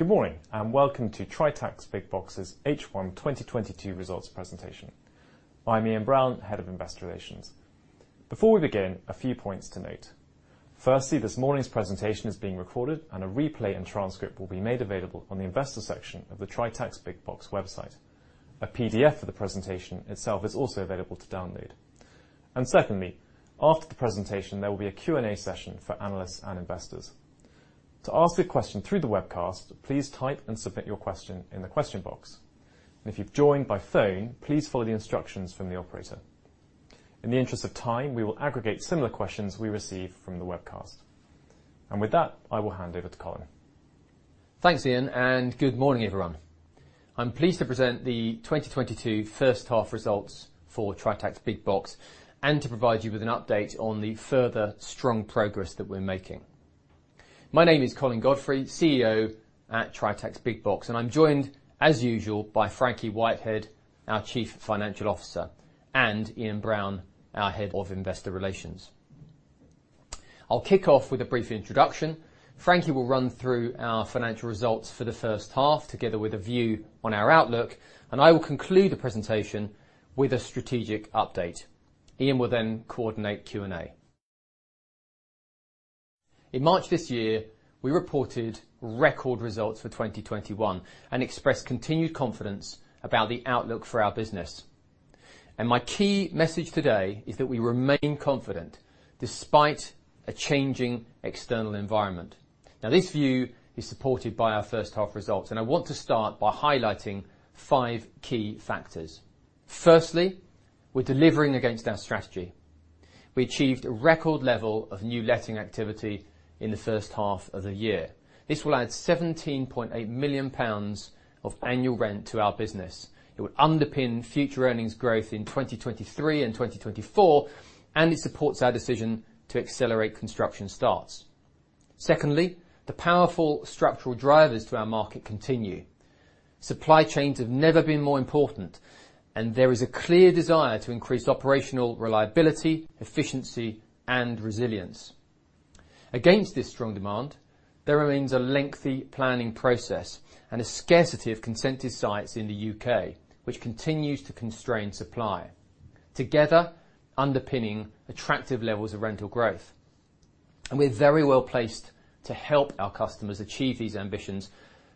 Good morning, and welcome to Tritax Big Box's H1 2022 Results Presentation. I'm Ian Brown, Head of Investor Relations. Before we begin, a few points to note. Firstly, this morning's presentation is being recorded, and a replay and transcript will be made available on the investor section of the Tritax Big Box website. A PDF of the presentation itself is also available to download. Secondly, after the presentation, there will be a Q&A session for analysts and investors. To ask a question through the webcast, please type and submit your question in the question box. If you've joined by phone, please follow the instructions from the operator. In the interest of time, we will aggregate similar questions we receive from the webcast. With that, I will hand over to Colin. Thanks, Ian, and good morning, everyone. I'm pleased to present the 2022 first half results for Tritax Big Box, and to provide you with an update on the further strong progress that we're making. My name is Colin Godfrey, CEO at Tritax Big Box, and I'm joined, as usual, by Frankie Whitehead, our Chief Financial Officer, and Ian Brown, our Head of Investor Relations. I'll kick off with a brief introduction. Frankie will run through our financial results for the first half, together with a view on our outlook, and I will conclude the presentation with a strategic update. Ian will then coordinate Q&A. In March this year, we reported record results for 2021, and expressed continued confidence about the outlook for our business. My key message today is that we remain confident despite a changing external environment. Now, this view is supported by our first half results, and I want to start by highlighting five key factors. Firstly, we're delivering against our strategy. We achieved a record level of new letting activity in the first half of the year. This will add 17.8 million pounds of annual rent to our business. It will underpin future earnings growth in 2023 and 2024, and it supports our decision to accelerate construction starts. Secondly, the powerful structural drivers to our market continue. Supply chains have never been more important, and there is a clear desire to increase operational reliability, efficiency, and resilience. Against this strong demand, there remains a lengthy planning process and a scarcity of consented sites in the U.K., which continues to constrain supply, together underpinning attractive levels of rental growth. We're very well placed to help our customers achieve these ambitions,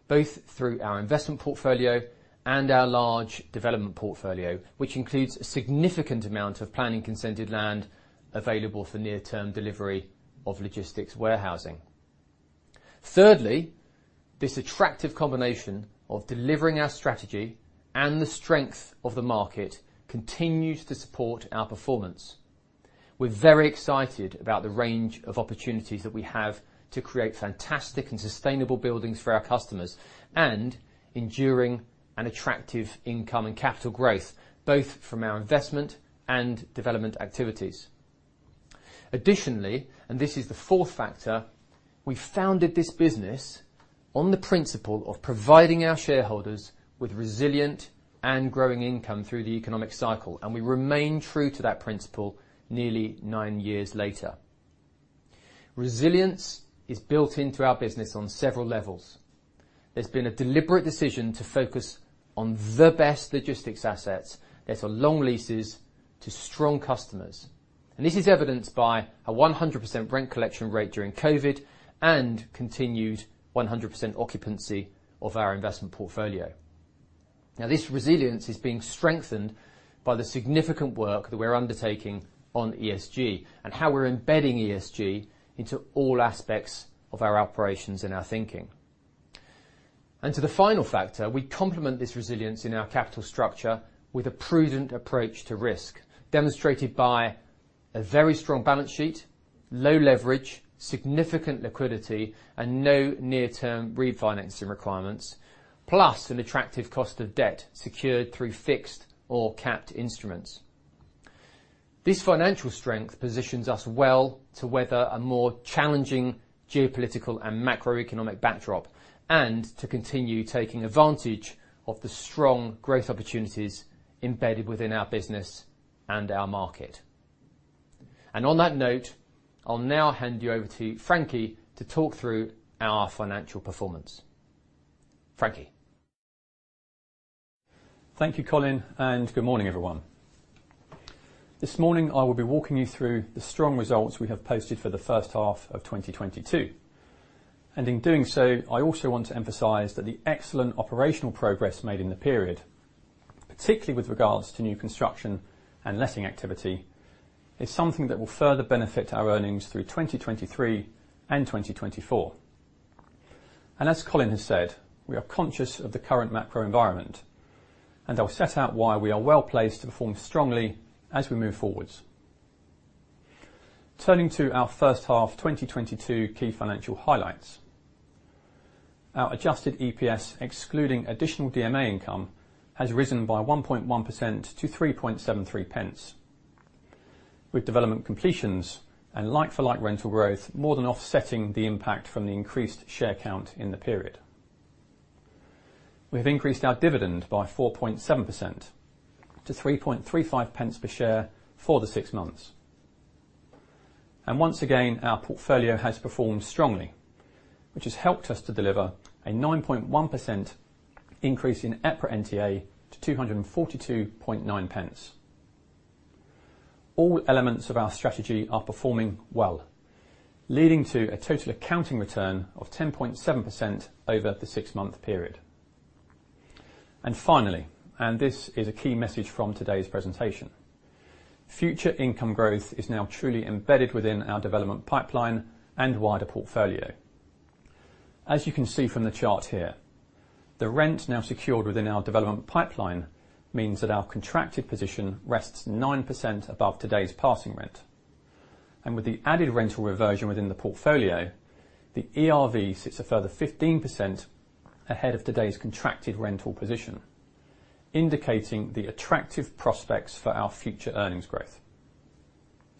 both through our investment portfolio and our large development portfolio, which includes a significant amount of planning-consented land available for near-term delivery of logistics warehousing. Thirdly, this attractive combination of delivering our strategy and the strength of the market continues to support our performance. We're very excited about the range of opportunities that we have to create fantastic and sustainable buildings for our customers, and enduring and attractive income and capital growth, both from our investment and development activities. Additionally, and this is the fourth factor, we founded this business on the principle of providing our shareholders with resilient and growing income through the economic cycle, and we remain true to that principle nearly nine years later. Resilience is built into our business on several levels. There's been a deliberate decision to focus on the best logistics assets that are long leases to strong customers, and this is evidenced by a 100% rent collection rate during COVID and continued 100% occupancy of our investment portfolio. Now, this resilience is being strengthened by the significant work that we're undertaking on ESG and how we're embedding ESG into all aspects of our operations and our thinking. To the final factor, we complement this resilience in our capital structure with a prudent approach to risk, demonstrated by a very strong balance sheet, low leverage, significant liquidity, and no near-term refinancing requirements, plus an attractive cost of debt secured through fixed or capped instruments. This financial strength positions us well to weather a more challenging geopolitical and macroeconomic backdrop, and to continue taking advantage of the strong growth opportunities embedded within our business and our market. On that note, I'll now hand you over to Frankie to talk through our financial performance. Frankie? Thank you, Colin, and good morning, everyone. This morning, I will be walking you through the strong results we have posted for the first half of 2022. In doing so, I also want to emphasize that the excellent operational progress made in the period, particularly with regards to new construction and letting activity, is something that will further benefit our earnings through 2023 and 2024. As Colin has said, we are conscious of the current macro environment, and I'll set out why we are well-placed to perform strongly as we move forward. Turning to our first half 2022 key financial highlights. Our adjusted EPS, excluding additional DMA income, has risen by 1.1% to 0.0373, with development completions and like-for-like rental growth more than offsetting the impact from the increased share count in the period. We've increased our dividend by 4.7% to 0.0335 per share for the six months. Once again, our portfolio has performed strongly, which has helped us to deliver a 9.1% increase in EPRA NTA to 2.429. All elements of our strategy are performing well, leading to a total accounting return of 10.7% over the six-month period. Finally, and this is a key message from today's presentation, future income growth is now truly embedded within our development pipeline and wider portfolio. As you can see from the chart here, the rent now secured within our development pipeline means that our contracted position rests 9% above today's passing rent. With the added rental reversion within the portfolio, the ERV sits a further 15% ahead of today's contracted rental position, indicating the attractive prospects for our future earnings growth.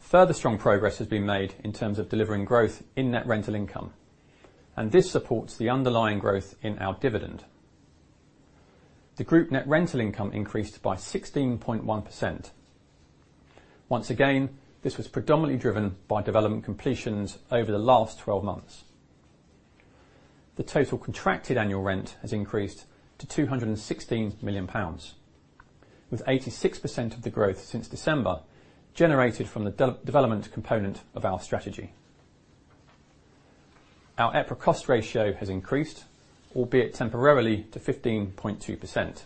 Further strong progress has been made in terms of delivering growth in net rental income, and this supports the underlying growth in our dividend. The group net rental income increased by 16.1%. Once again, this was predominantly driven by development completions over the last 12 months. The total contracted annual rent has increased to 216 million pounds, with 86% of the growth since December generated from the development component of our strategy. Our EPRA cost ratio has increased, albeit temporarily, to 15.2%.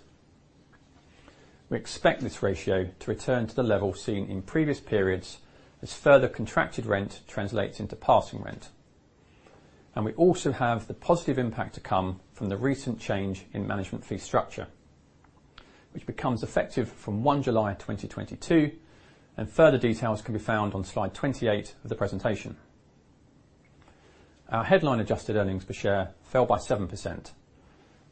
We expect this ratio to return to the level seen in previous periods as further contracted rent translates into passing rent. We also have the positive impact to come from the recent change in management fee structure, which becomes effective from 1 July 2022, and further details can be found on slide 28 of the presentation. Our headline adjusted earnings per share fell by 7%,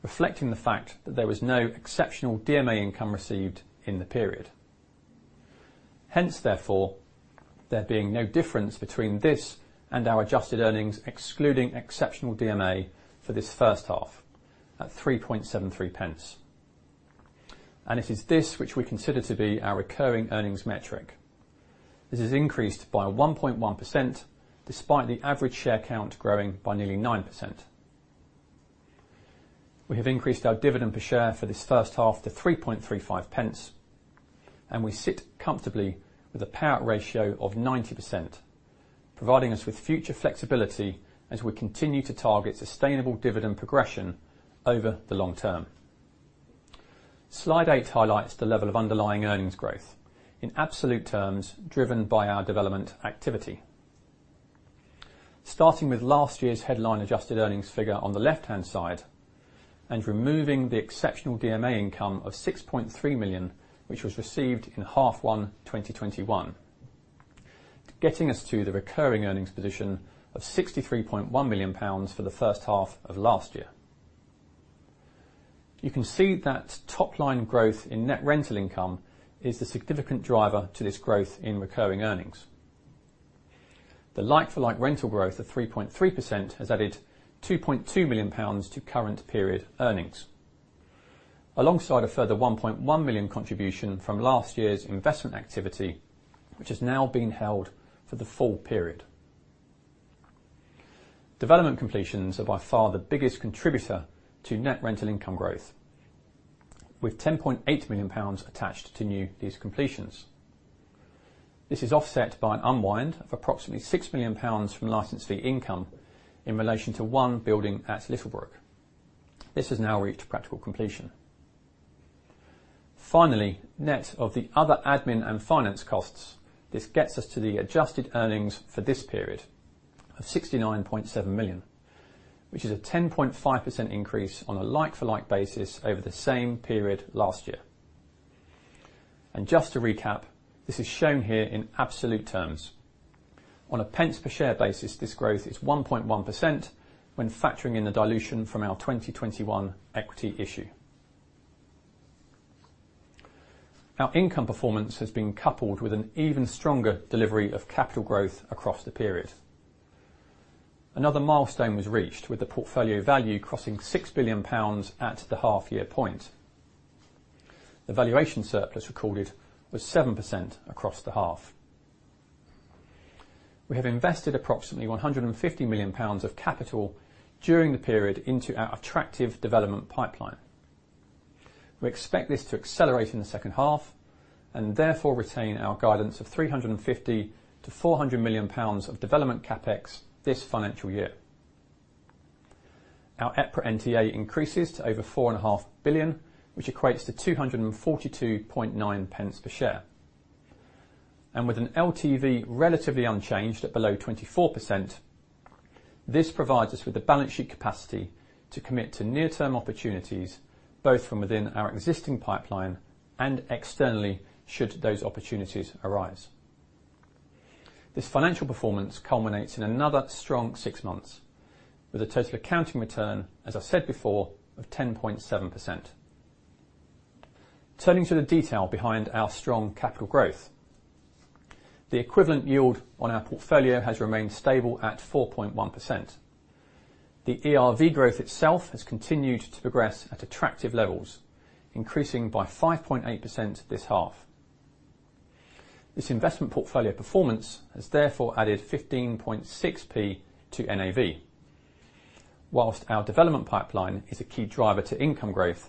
reflecting the fact that there was no exceptional DMA income received in the period. Hence, therefore, there being no difference between this and our adjusted earnings, excluding exceptional DMA for this first half at 0.0373. It is this which we consider to be our recurring earnings metric. This has increased by 1.1%, despite the average share count growing by nearly 9%. We have increased our dividend per share for this first half to 0.0335, and we sit comfortably with a payout ratio of 90%, providing us with future flexibility as we continue to target sustainable dividend progression over the long term. Slide eight highlights the level of underlying earnings growth in absolute terms driven by our development activity. Starting with last year's headline adjusted earnings figure on the left-hand side and removing the exceptional DMA income of 6.3 million, which was received in half one 2021, getting us to the recurring earnings position of GBP 63.1 million for the first half of last year. You can see that top-line growth in net rental income is the significant driver to this growth in recurring earnings. The like-for-like rental growth of 3.3% has added 2.2 million pounds to current period earnings. Alongside a further 1.1 million contribution from last year's investment activity, which is now being held for the full period. Development completions are by far the biggest contributor to net rental income growth, with 10.8 million pounds attached to new lease completions. This is offset by an unwind of approximately 6 million pounds from license fee income in relation to one building at Littlebrook. This has now reached practical completion. Finally, net of the other admin and finance costs, this gets us to the adjusted earnings for this period of 69.7 million, which is a 10.5% increase on a like-for-like basis over the same period last year. Just to recap, this is shown here in absolute terms. On a pence per share basis, this growth is 1.1% when factoring in the dilution from our 2021 equity issue. Our income performance has been coupled with an even stronger delivery of capital growth across the period. Another milestone was reached with the portfolio value crossing 6 billion pounds at the half-year point. The valuation surplus recorded was 7% across the half. We have invested approximately 150 million pounds of capital during the period into our attractive development pipeline. We expect this to accelerate in the second half and therefore retain our guidance of 350 million-400 million pounds of development CapEx this financial year. Our EPRA NTA increases to over 4.5 billion, which equates to 2.429 per share. With an LTV relatively unchanged at below 24%, this provides us with the balance sheet capacity to commit to near-term opportunities, both from within our existing pipeline and externally should those opportunities arise. This financial performance culminates in another strong six months with a total accounting return, as I said before, of 10.7%. Turning to the detail behind our strong capital growth. The equivalent yield on our portfolio has remained stable at 4.1%. The ERV growth itself has continued to progress at attractive levels, increasing by 5.8% this half. This investment portfolio performance has therefore added 15.6p to NAV. While our development pipeline is a key driver to income growth,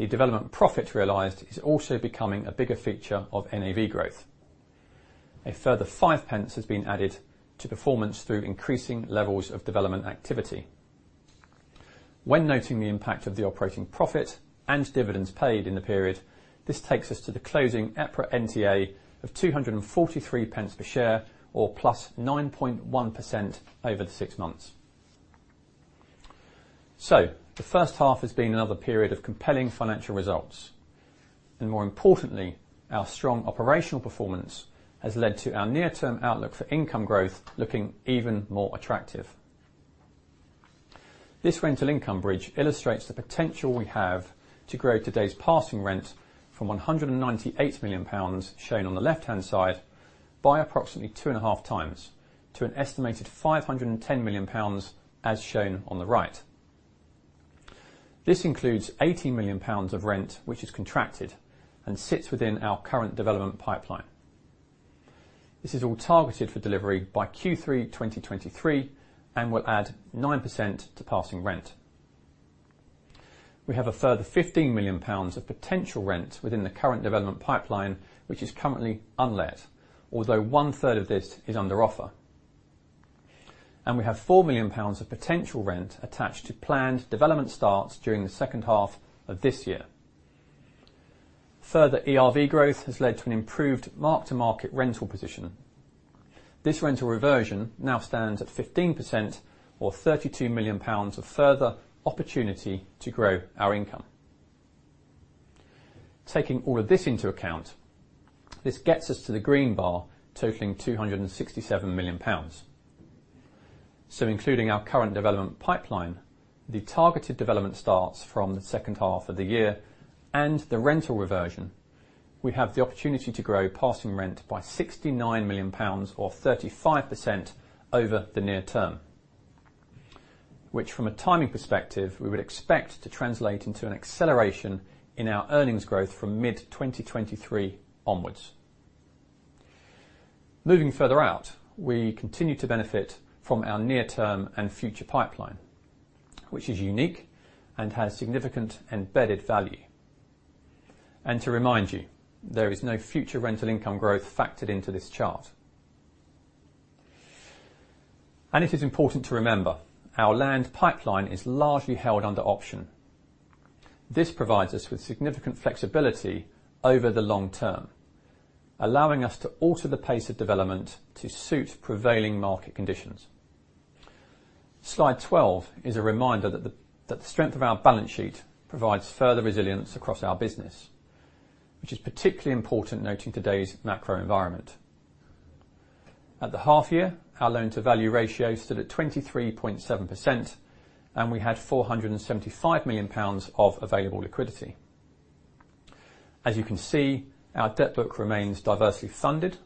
the development profit realized is also becoming a bigger feature of NAV growth. A further 0.05 Has been added to performance through increasing levels of development activity. When noting the impact of the operating profit and dividends paid in the period, this takes us to the closing EPRA NTA of 2.43 per share or +9.1% over the six months. The first half has been another period of compelling financial results, and more importantly, our strong operational performance has led to our near-term outlook for income growth looking even more attractive. This rental income bridge illustrates the potential we have to grow today's passing rent from 198 million pounds shown on the left-hand side by approximately 2.5x to an estimated 510 million pounds as shown on the right. This includes 80 million pounds of rent, which is contracted and sits within our current development pipeline. This is all targeted for delivery by Q3 2023 and will add 9% to passing rent. We have a further 15 million pounds of potential rent within the current development pipeline, which is currently unlet, although one third of this is under offer. We have 4 million pounds of potential rent attached to planned development starts during the second half of this year. Further ERV growth has led to an improved mark-to-market rental position. This rental reversion now stands at 15% or 32 million pounds of further opportunity to grow our income. Taking all of this into account, this gets us to the green bar totaling 267 million pounds. Including our current development pipeline, the targeted development starts from the second half of the year and the rental reversion, we have the opportunity to grow passing rent by 69 million pounds or 35% over the near term, which from a timing perspective, we would expect to translate into an acceleration in our earnings growth from mid-2023 onwards. Moving further out, we continue to benefit from our near-term and future pipeline, which is unique and has significant embedded value. To remind you, there is no future rental income growth factored into this chart. It is important to remember, our land pipeline is largely held under option. This provides us with significant flexibility over the long term, allowing us to alter the pace of development to suit prevailing market conditions. Slide 12 is a reminder that the strength of our balance sheet provides further resilience across our business, which is particularly important noting today's macro environment. At the half year, our loan-to-value ratio stood at 23.7%, and we had 475 million pounds of available liquidity. As you can see, our debt book remains diversely funded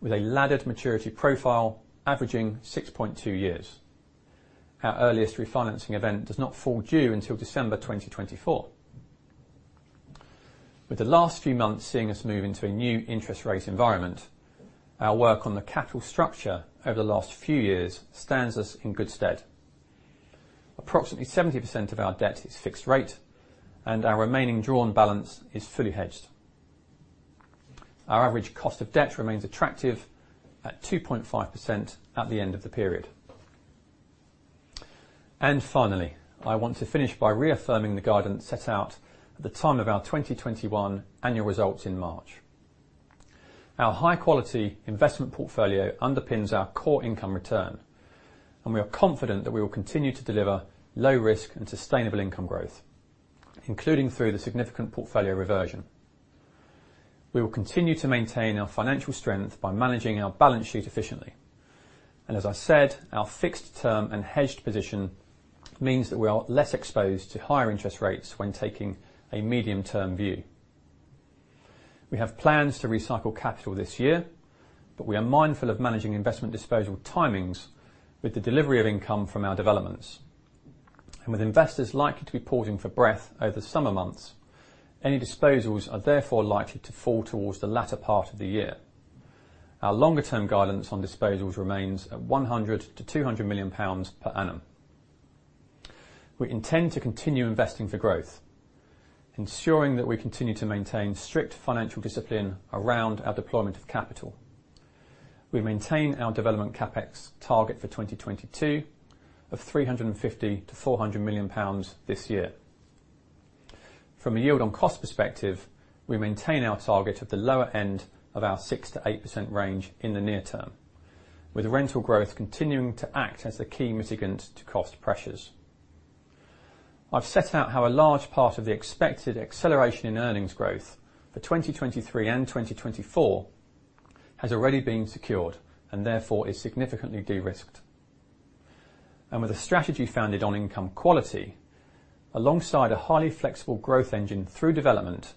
with a laddered maturity profile averaging 6.2 years. Our earliest refinancing event does not fall due until December 2024. With the last few months seeing us move into a new interest rate environment, our work on the capital structure over the last few years stands us in good stead. Approximately 70% of our debt is fixed-rate, and our remaining drawn balance is fully hedged. Our average cost of debt remains attractive at 2.5% at the end of the period. Finally, I want to finish by reaffirming the guidance set out at the time of our 2021 annual results in March. Our high-quality investment portfolio underpins our core income return, and we are confident that we will continue to deliver low risk and sustainable income growth, including through the significant portfolio reversion. We will continue to maintain our financial strength by managing our balance sheet efficiently. As I said, our fixed-term and hedged position means that we are less exposed to higher interest rates when taking a medium-term view. We have plans to recycle capital this year, but we are mindful of managing investment disposal timings with the delivery of income from our developments. With investors likely to be pausing for breath over the summer months, any disposals are therefore likely to fall towards the latter part of the year. Our longer-term guidance on disposals remains at 100 million-200 million pounds per annum. We intend to continue investing for growth, ensuring that we continue to maintain strict financial discipline around our deployment of capital. We maintain our development CapEx target for 2022 of 350 million-400 million pounds this year. From a yield on cost perspective, we maintain our target at the lower end of our 6%-8% range in the near term, with rental growth continuing to act as the key mitigant to cost pressures. I've set out how a large part of the expected acceleration in earnings growth for 2023 and 2024 has already been secured and therefore is significantly de-risked. With a strategy founded on income quality, alongside a highly flexible growth engine through development,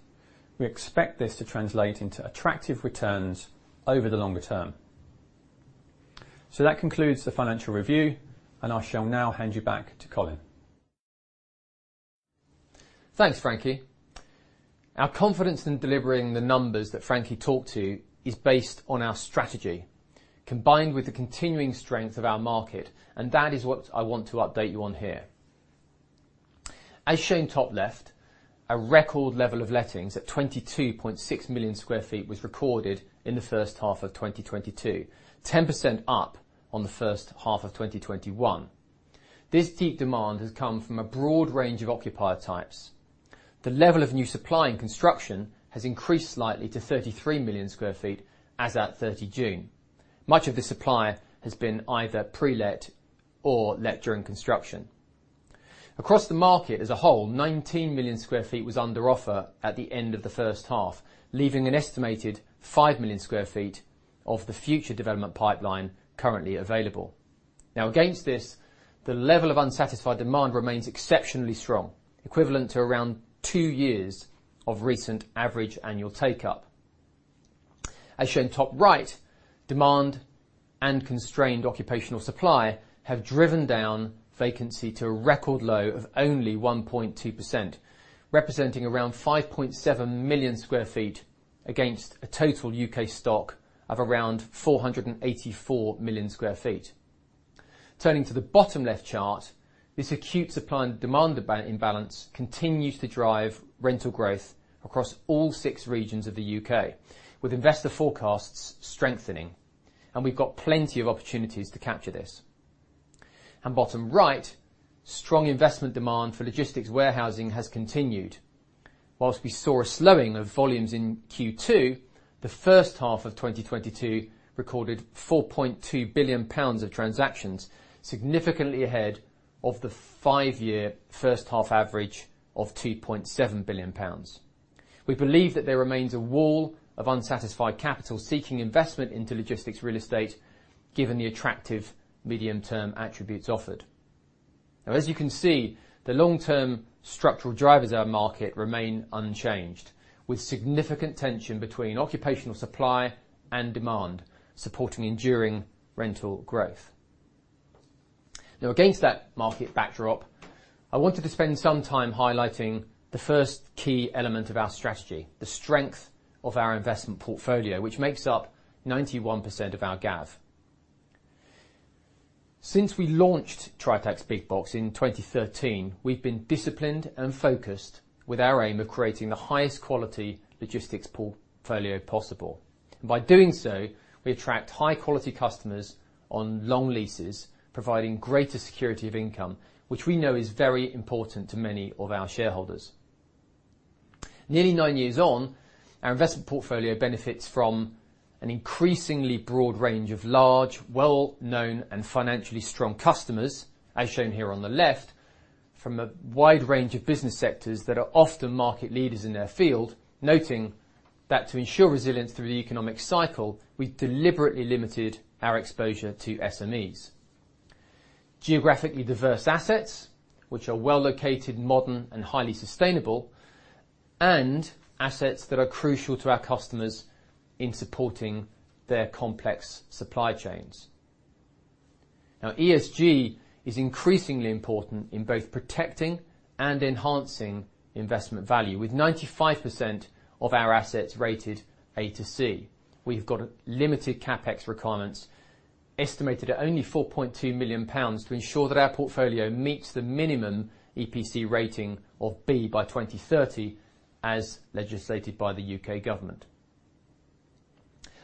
we expect this to translate into attractive returns over the longer term. That concludes the financial review, and I shall now hand you back to Colin. Thanks, Frankie. Our confidence in delivering the numbers that Frankie talked to is based on our strategy, combined with the continuing strength of our market, and that is what I want to update you on here. As shown top left, a record level of lettings at 22.6 million sq ft was recorded in the first half of 2022, 10% up on the first half of 2021. This deep demand has come from a broad range of occupier types. The level of new supply and construction has increased slightly to 33 million sq ft as at June 30. Much of the supply has been either pre-let or let during construction. Across the market as a whole, 19 million sq ft was under offer at the end of the first half, leaving an estimated 5 million sq ft of the future development pipeline currently available. Now, against this, the level of unsatisfied demand remains exceptionally strong, equivalent to around two years of recent average annual take-up. As shown top right, demand and constrained occupational supply have driven down vacancy to a record low of only 1.2%, representing around 5.7 million sq ft against a total U.K. stock of around 484 million sq ft. Turning to the bottom left chart, this acute supply and demand imbalance continues to drive rental growth across all six regions of the U.K., with investor forecasts strengthening, and we've got plenty of opportunities to capture this. Bottom right, strong investment demand for logistics warehousing has continued. While we saw a slowing of volumes in Q2, the first half of 2022 recorded 4.2 billion pounds of transactions, significantly ahead of the five-year first half average of 2.7 billion pounds. We believe that there remains a wall of unsatisfied capital seeking investment into logistics real estate given the attractive medium-term attributes offered. Now, as you can see, the long-term structural drivers of our market remain unchanged, with significant tension between occupational supply and demand supporting enduring rental growth. Now, against that market backdrop, I wanted to spend some time highlighting the first key element of our strategy, the strength of our investment portfolio, which makes up 91% of our GAV. Since we launched Tritax Big Box in 2013, we've been disciplined and focused with our aim of creating the highest quality logistics portfolio possible. By doing so, we attract high-quality customers on long leases, providing greater security of income, which we know is very important to many of our shareholders. Nearly nine years on, our investment portfolio benefits from an increasingly broad range of large, well-known, and financially strong customers, as shown here on the left, from a wide range of business sectors that are often market leaders in their field, noting that to ensure resilience through the economic cycle, we deliberately limited our exposure to SMEs. Geographically diverse assets, which are well-located, modern, and highly sustainable, and assets that are crucial to our customers in supporting their complex supply chains. Now, ESG is increasingly important in both protecting and enhancing investment value. With 95% of our assets rated A to C, we've got limited CapEx requirements, estimated at only 4.2 million pounds to ensure that our portfolio meets the minimum EPC rating of B by 2030, as legislated by the U.K. government.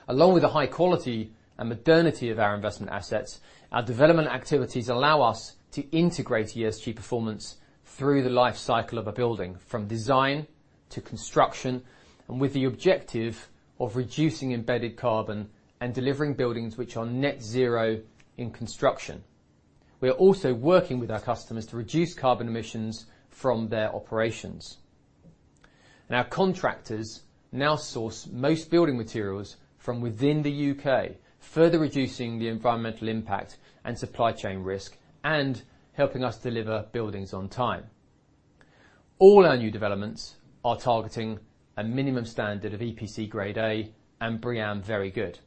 Along with the high quality and modernity of our investment assets, our development activities allow us to integrate ESG performance through the life cycle of a building, from design to construction, and with the objective of reducing embedded carbon and delivering buildings which are net zero in construction. We are also working with our customers to reduce carbon emissions from their operations. Our contractors now source most building materials from within the U.K., further reducing the environmental impact and supply chain risk, and helping us deliver buildings on time. All our new developments are targeting a minimum standard of EPC Grade A and BREEAM Very Good.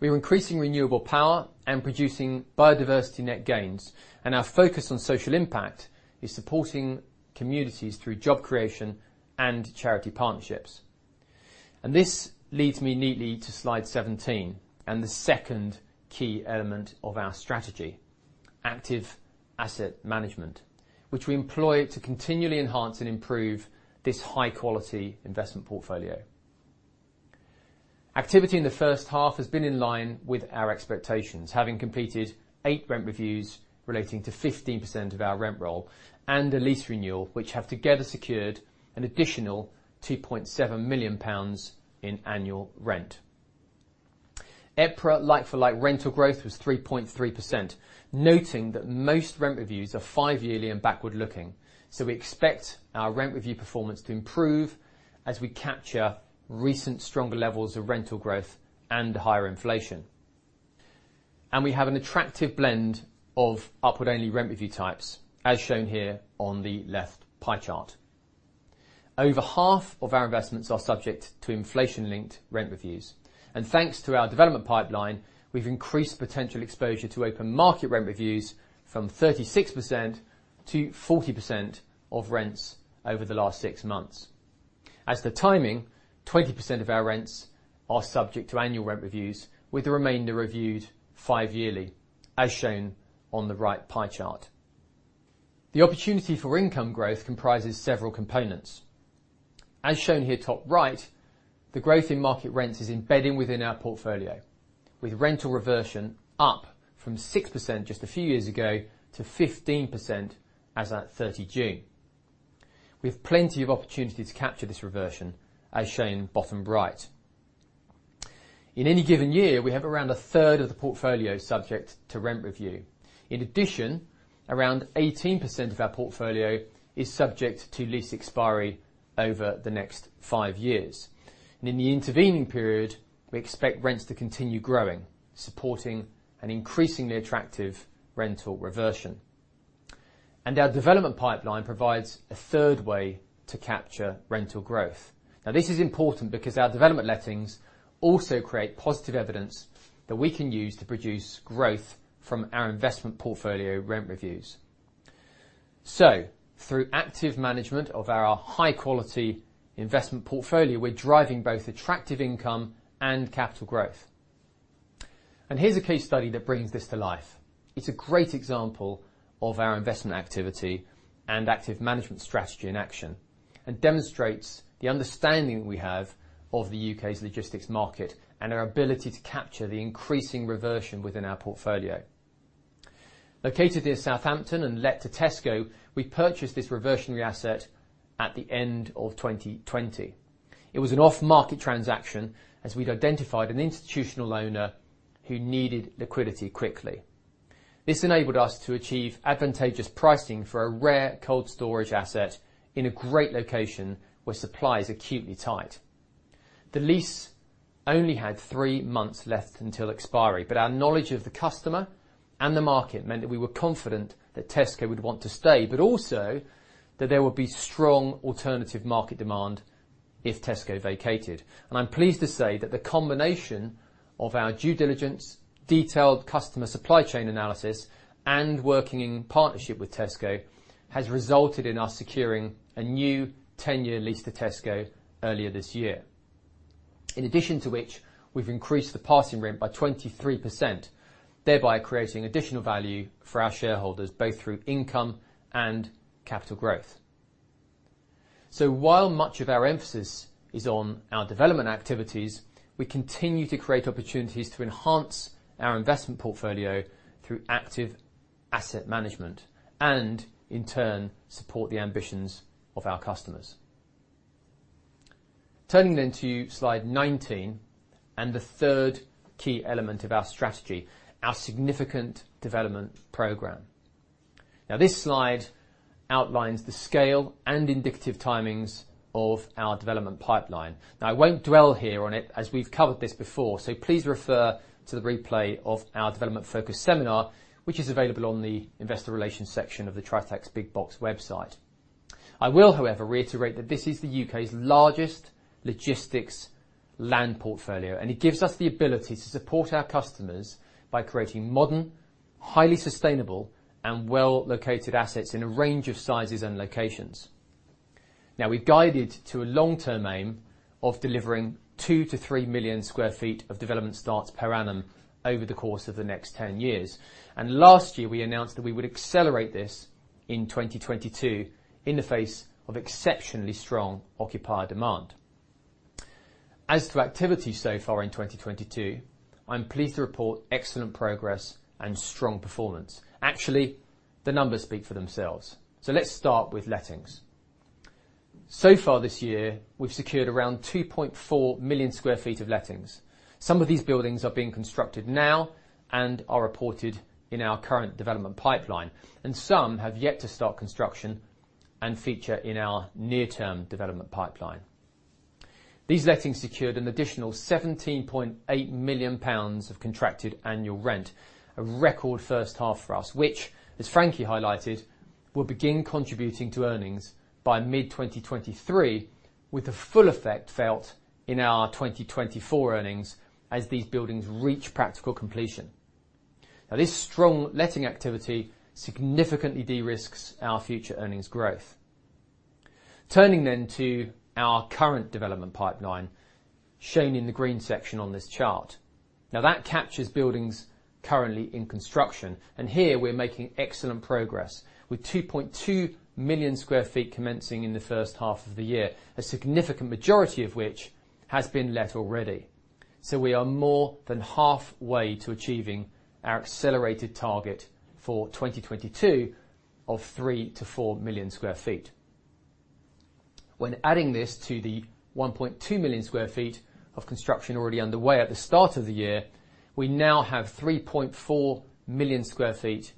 We are increasing renewable power and producing biodiversity net gains, and our focus on social impact is supporting communities through job creation and charity partnerships. This leads me neatly to slide 17 and the second key element of our strategy, active asset management, which we employ to continually enhance and improve this high-quality investment portfolio. Activity in the first half has been in line with our expectations, having completed eight rent reviews relating to 15% of our rent roll and a lease renewal, which have together secured an additional 2.7 million pounds in annual rent. EPRA like-for-like rental growth was 3.3%, noting that most rent reviews are five-yearly and backward-looking, so we expect our rent review performance to improve as we capture recent stronger levels of rental growth and higher inflation. We have an attractive blend of upward-only rent review types, as shown here on the left pie chart. Over half of our investments are subject to inflation-linked rent reviews. Thanks to our development pipeline, we've increased potential exposure to open market rent reviews from 36% to 40% of rents over the last six months. As to timing, 20% of our rents are subject to annual rent reviews, with the remainder reviewed five-yearly, as shown on the right pie chart. The opportunity for income growth comprises several components. As shown here top right, the growth in market rents is embedded within our portfolio, with rental reversion up from 6% just a few years ago to 15% as at 30 June. We have plenty of opportunities to capture this reversion, as shown bottom right. In any given year, we have around a third of the portfolio subject to rent review. In addition, around 18% of our portfolio is subject to lease expiry over the next five years. In the intervening period, we expect rents to continue growing, supporting an increasingly attractive rental reversion. Our development pipeline provides a third way to capture rental growth. Now, this is important because our development lettings also create positive evidence that we can use to produce growth from our investment portfolio rent reviews. Through active management of our high-quality investment portfolio, we're driving both attractive income and capital growth. Here's a case study that brings this to life. It's a great example of our investment activity and active management strategy in action and demonstrates the understanding we have of the U.K.'s logistics market and our ability to capture the increasing reversion within our portfolio. Located near Southampton and let to Tesco, we purchased this reversionary asset at the end of 2020. It was an off-market transaction, as we'd identified an institutional owner who needed liquidity quickly. This enabled us to achieve advantageous pricing for a rare cold storage asset in a great location where supply is acutely tight. The lease only had three months left until expiry, but our knowledge of the customer and the market meant that we were confident that Tesco would want to stay, but also that there would be strong alternative market demand if Tesco vacated. I'm pleased to say that the combination of our due diligence, detailed customer supply chain analysis, and working in partnership with Tesco, has resulted in us securing a new 10-year lease to Tesco earlier this year. In addition to which, we've increased the passing rent by 23%, thereby creating additional value for our shareholders, both through income and capital growth. While much of our emphasis is on our development activities, we continue to create opportunities to enhance our investment portfolio through active asset management and, in turn, support the ambitions of our customers. Turning to slide 19 and the third key element of our strategy, our significant development program. This slide outlines the scale and indicative timings of our development pipeline. I won't dwell here on it as we've covered this before, so please refer to the replay of our development focus seminar, which is available on the investor relations section of the Tritax Big Box website. I will, however, reiterate that this is the U.K.'s largest logistics land portfolio, and it gives us the ability to support our customers by creating modern, highly sustainable, and well-located assets in a range of sizes and locations. We've guided to a long-term aim of delivering 2 million-3 million sq ft of development starts per annum over the course of the next 10 years. Last year, we announced that we would accelerate this in 2022 in the face of exceptionally strong occupier demand. As to activity so far in 2022, I'm pleased to report excellent progress and strong performance. Actually, the numbers speak for themselves. Let's start with lettings. So far this year, we've secured around 2.4 million sq ft of lettings. Some of these buildings are being constructed now and are reported in our current development pipeline, and some have yet to start construction and feature in our near-term development pipeline. These lettings secured an additional 17.8 million pounds of contracted annual rent, a record first half for us, which, as Frankie highlighted, will begin contributing to earnings by mid-2023, with the full effect felt in our 2024 earnings as these buildings reach practical completion. This strong letting activity significantly de-risks our future earnings growth. Turning then to our current development pipeline, shown in the green section on this chart. Now, that captures buildings currently in construction, and here we're making excellent progress with 2.2 million sq ft commencing in the first half of the year, a significant majority of which has been let already. We are more than halfway to achieving our accelerated target for 2022 of 3 million-4 million sq ft. When adding this to the 1.2 million sq ft of construction already underway at the start of the year, we now have 3.4 million sq ft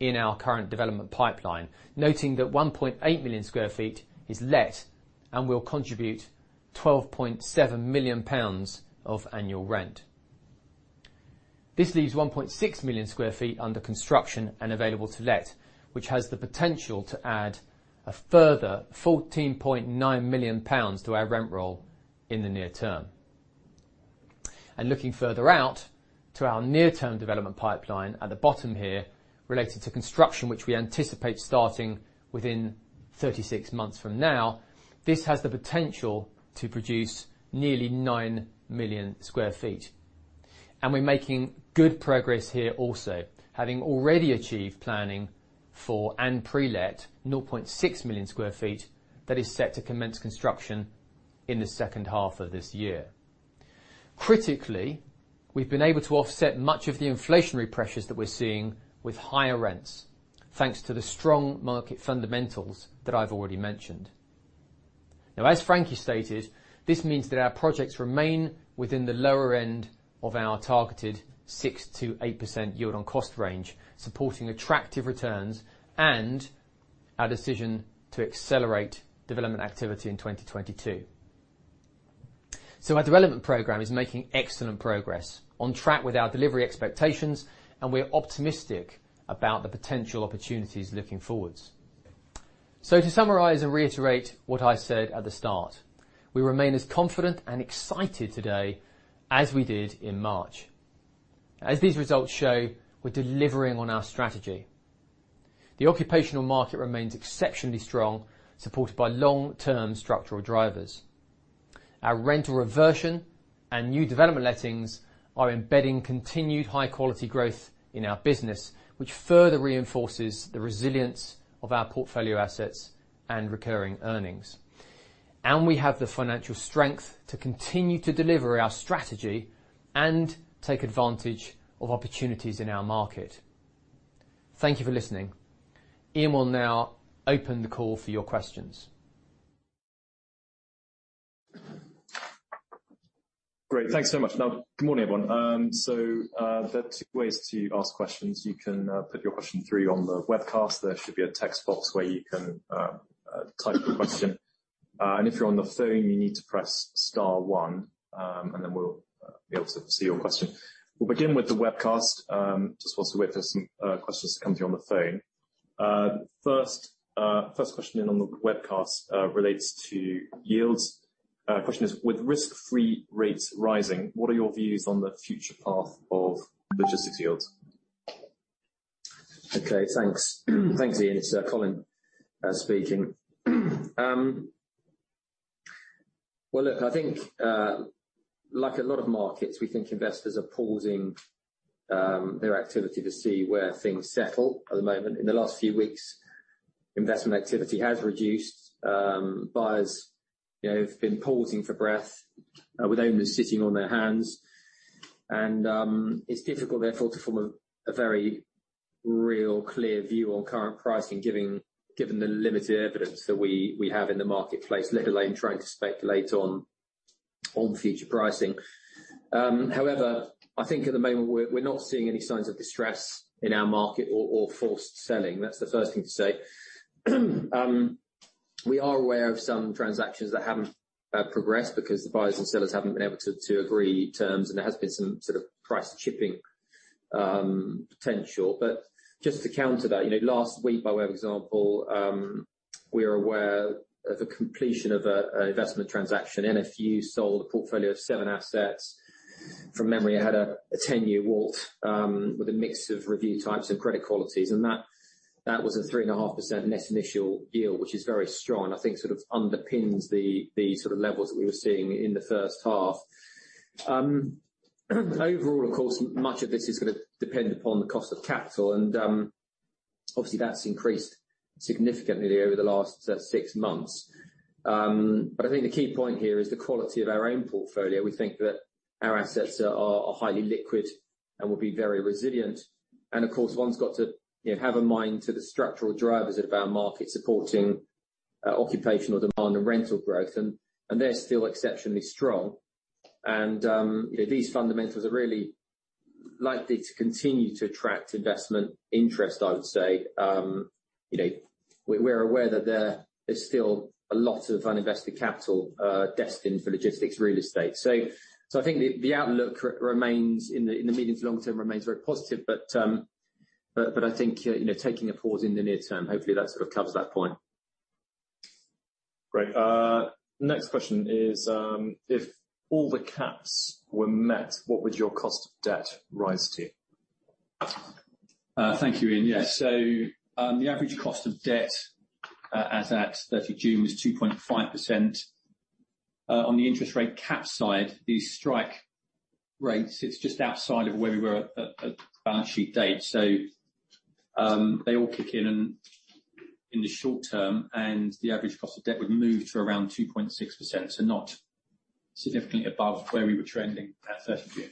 in our current development pipeline. Noting that 1.8 million sq ft is let and will contribute 12.7 million pounds of annual rent. This leaves 1.6 million sq ft under construction and available to let, which has the potential to add a further 14.9 million pounds to our rent roll in the near term. Looking further out to our near-term development pipeline at the bottom here, related to construction, which we anticipate starting within 36 months from now, this has the potential to produce nearly 9 million sq ft. We're making good progress here also, having already achieved planning for and pre-let 0.6 million sq ft that is set to commence construction in the second half of this year. Critically, we've been able to offset much of the inflationary pressures that we're seeing with higher rents, thanks to the strong market fundamentals that I've already mentioned. Now, as Frankie stated, this means that our projects remain within the lower end of our targeted 6%-8% yield on cost range, supporting attractive returns and our decision to accelerate development activity in 2022. Our development program is making excellent progress, on track with our delivery expectations, and we are optimistic about the potential opportunities looking forwards. To summarize and reiterate what I said at the start, we remain as confident and excited today as we did in March. As these results show, we're delivering on our strategy. The occupational market remains exceptionally strong, supported by long-term structural drivers. Our rental reversion and new development lettings are embedding continued high-quality growth in our business, which further reinforces the resilience of our portfolio assets and recurring earnings. We have the financial strength to continue to deliver our strategy and take advantage of opportunities in our market. Thank you for listening. Ian will now open the call for your questions. Great. Thanks so much. Now, good morning, everyone. So, there are two ways to ask questions. You can put your question through on the webcast. There should be a text box where you can type your question. And if you're on the phone, you need to press star one, and then we'll be able to see your question. We'll begin with the webcast, just whilst we wait for some questions to come through on the phone. First question in on the webcast relates to yields. Question is: With risk-free rates rising, what are your views on the future path of logistics yields? Okay, thanks. Thank you, Ian. It's Colin speaking. Well, look, I think, like a lot of markets, we think investors are pausing their activity to see where things settle at the moment. In the last few weeks, investment activity has reduced. Buyers, you know, have been pausing for breath with owners sitting on their hands. It's difficult, therefore, to form a very real clear view on current pricing, given the limited evidence that we have in the marketplace, let alone trying to speculate on future pricing. However, I think at the moment, we're not seeing any signs of distress in our market or forced selling. That's the first thing to say. We are aware of some transactions that haven't progressed because the buyers and sellers haven't been able to agree terms, and there has been some sort of price chipping potential. Just to counter that, you know, last week, by way of example, we are aware of a completion of an investment transaction. NFU sold a portfolio of seven assets. From memory, it had a 10-year WAULT with a mix of review types and credit qualities, and that was a 3.5% net initial yield, which is very strong, I think sort of underpins the sort of levels that we were seeing in the first half. Overall, of course, much of this is gonna depend upon the cost of capital, and obviously, that's increased significantly over the last six months. I think the key point here is the quality of our own portfolio. We think that our assets are highly liquid and will be very resilient. Of course, one's got to, you know, have a mind to the structural drivers of our market supporting occupational demand and rental growth, and they're still exceptionally strong. You know, these fundamentals are really likely to continue to attract investment interest, I would say. You know, we're aware that there is still a lot of uninvested capital destined for logistics real estate. I think the outlook remains in the medium to long term very positive, but I think, you know, taking a pause in the near term, hopefully that sort of covers that point. Great. Next question is: If all the caps were met, what would your cost of debt rise to? Thank you, Ian. Yeah. The average cost of debt, as at 30 June was 2.5%. On the interest rate cap side, the strike rates, it's just outside of where we were at balance sheet date. They all kick in in the short term, and the average cost of debt would move to around 2.6%, so not significantly above where we were trending at 30 June.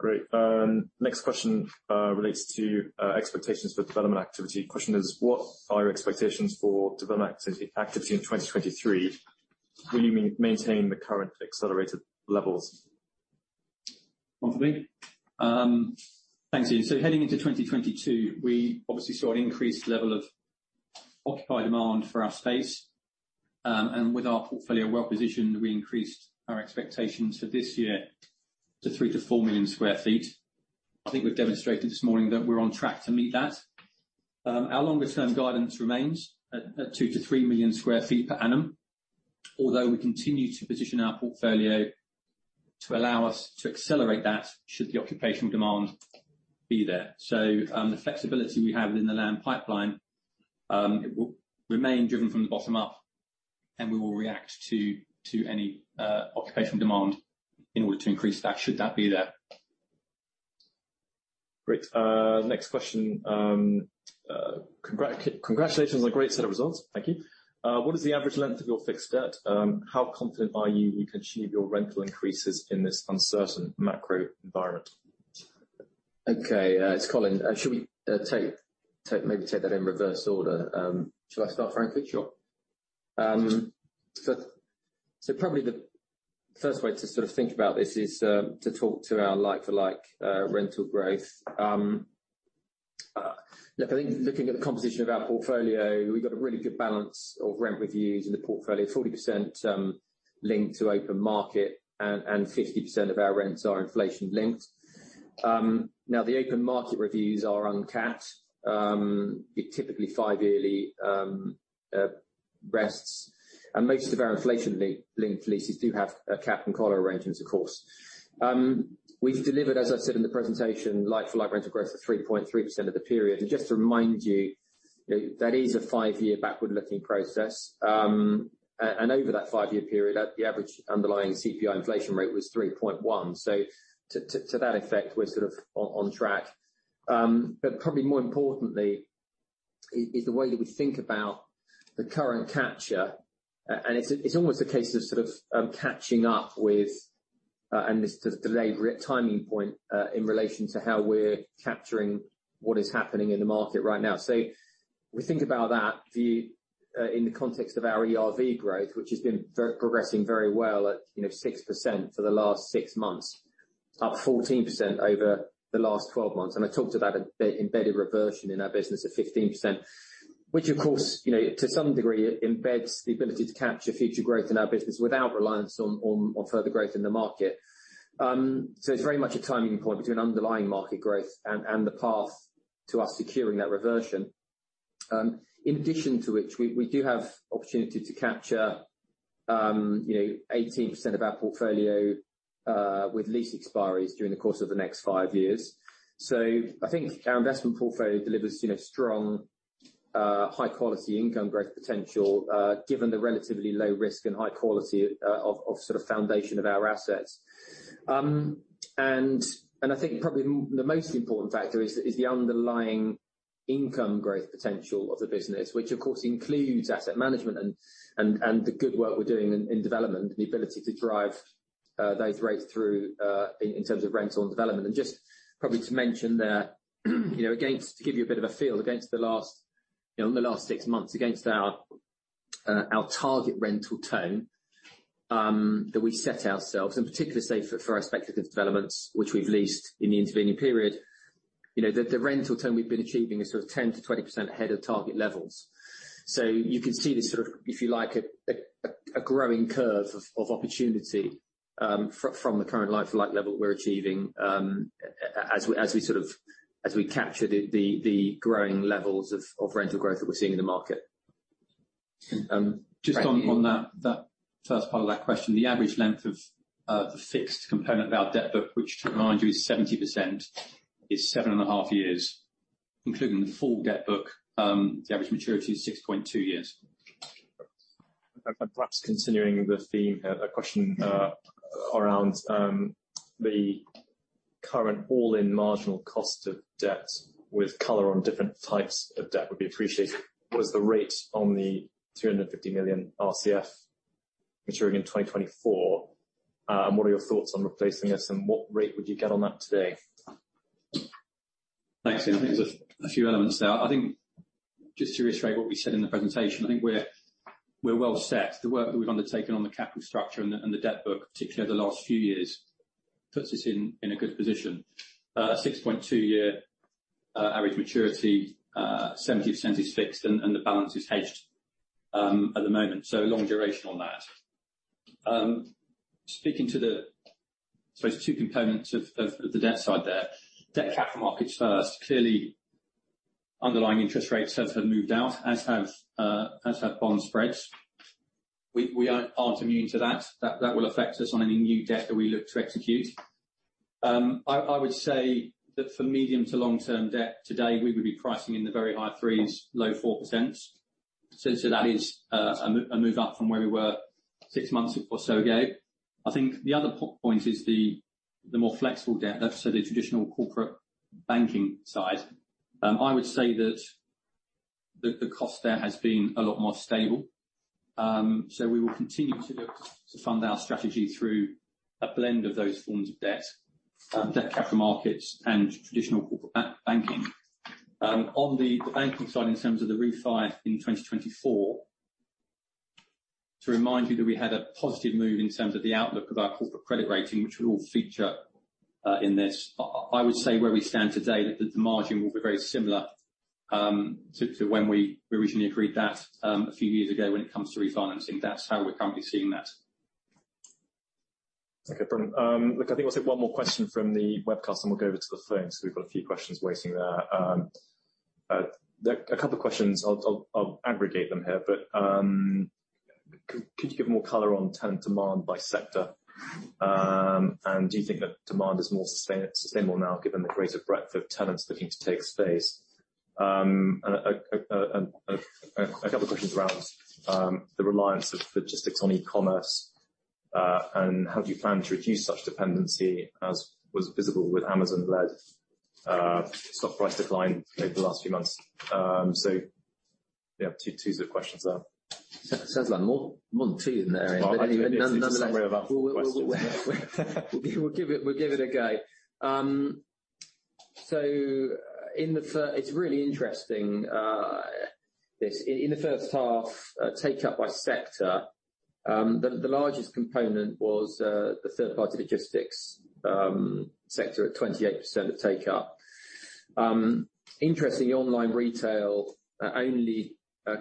Okay, great. Next question relates to expectations for development activity. Question is: What are your expectations for development activity in 2023? Will you maintain the current accelerated levels? Thanks, Ian. Heading into 2022, we obviously saw an increased level of occupier demand for our space. With our portfolio well-positioned, we increased our expectations for this year to 3 million-4 million sq ft. I think we've demonstrated this morning that we're on track to meet that. Our longer-term guidance remains at 2 million-3 million sq ft per annum. Although we continue to position our portfolio to allow us to accelerate that should the occupier demand be there. The flexibility we have within the land pipeline, it will remain driven from the bottom up, and we will react to any occupier demand in order to increase that should that be there. Great. Next question. Congratulations on a great set of results. Thank you. What is the average length of your fixed debt? How confident are you can achieve your rental increases in this uncertain macro environment? Okay. It's Colin. Should we maybe take that in reverse order? Shall I start, Frankie? Sure. Probably the first way to sort of think about this is to talk about our like-for-like rental growth. Look, I think looking at the composition of our portfolio, we've got a really good balance of rent reviews in the portfolio, 40% linked to open market and 50% of our rents are inflation-linked. Now, the open market reviews are uncapped, typically five-yearly reviews. Most of our inflation-linked leases do have a cap and collar arrangements, of course. We've delivered, as I said in the presentation, like-for-like rental growth of 3.3% over the period. Just to remind you know, that is a five-year backward-looking process. Over that five-year period, the average underlying CPI inflation rate was 3.1. To that effect, we're sort of on track. Probably more importantly is the way that we think about the current capture. It's almost a case of sort of catching up with this just delayed re-rating point in relation to how we're capturing what is happening in the market right now. We think about that view in the context of our ERV growth, which has been progressing very well at, you know, 6% for the last six months. Up 14% over the last 12 months. I talked about the embedded reversion in our business of 15%, which of course, you know, to some degree embeds the ability to capture future growth in our business without reliance on further growth in the market. It's very much a timing point between underlying market growth and the path to us securing that reversion. In addition to which we do have opportunity to capture, you know, 18% of our portfolio, with lease expiries during the course of the next five years. I think our investment portfolio delivers, you know, strong, high-quality income growth potential, given the relatively low risk and high quality of sort of foundation of our assets. I think probably the most important factor is the underlying income growth potential of the business, which of course includes asset management and the good work we're doing in development and the ability to drive those rates through in terms of rental and development. Just probably to mention that, you know, to give you a bit of a feel against the last, you know, in the last six months against our target rental term that we set ourselves, in particular say for our speculative developments which we've leased in the intervening period. You know, the rental term we've been achieving is sort of 10%-20% ahead of target levels. You can see this sort of, if you like, a growing curve of opportunity from the current like-for-like level we're achieving, as we sort of as we capture the growing levels of rental growth that we're seeing in the market. Just on that first part of that question, the average length of the fixed component of our debt book, which to remind you is 70%, is 7.5 years, including the full debt book, the average maturity is 6.2 years. Perhaps continuing the theme, a question around the current all-in marginal cost of debt with color on different types of debt would be appreciated. What is the rate on the 250 million RCF maturing in 2024, and what are your thoughts on replacing this, and what rate would you get on that today? Thanks, Ian. I think there's a few elements there. I think just to reiterate what we said in the presentation, I think we're well set. The work that we've undertaken on the capital structure and the debt book, particularly over the last few years, puts us in a good position. A 6.2-year average maturity, 70% is fixed, and the balance is hedged at the moment. Long duration on that. There's two components of the debt side there. Debt capital markets first. Clearly, underlying interest rates have moved out, as have bond spreads. We aren't immune to that. That will affect us on any new debt that we look to execute. I would say that for medium to long-term debt today, we would be pricing in the very high 3s%, low 4%. That is a move up from where we were six months or so ago. I think the other point is the more flexible debt, so the traditional corporate banking side. I would say that the cost there has been a lot more stable. We will continue to look to fund our strategy through a blend of those forms of debt capital markets and traditional corporate banking. On the banking side, in terms of the refi in 2024. To remind you that we had a positive move in terms of the outlook of our corporate credit rating, which will feature in this. I would say where we stand today, that the margin will be very similar to when we originally agreed that a few years ago, when it comes to refinancing. That's how we're currently seeing that. Okay, brilliant. Look, I think we'll take one more question from the webcast, and we'll go over to the phones. We've got a few questions waiting there. A couple of questions. I'll aggregate them here. Could you give more color on tenant demand by sector? And do you think that demand is more sustainable now, given the greater breadth of tenants looking to take space? And a couple of questions around the reliance of logistics on e-commerce, and how do you plan to reduce such dependency as was visible with Amazon-led stock price decline over the last few months? Yeah, two sets of questions there. Sounds like more than two in there. Well, I think it's sort of a summary of our questions. We'll give it a go. It's really interesting, this. In the first half, take-up by sector, the largest component was the third-party logistics sector at 28% of take-up. Interestingly, online retail only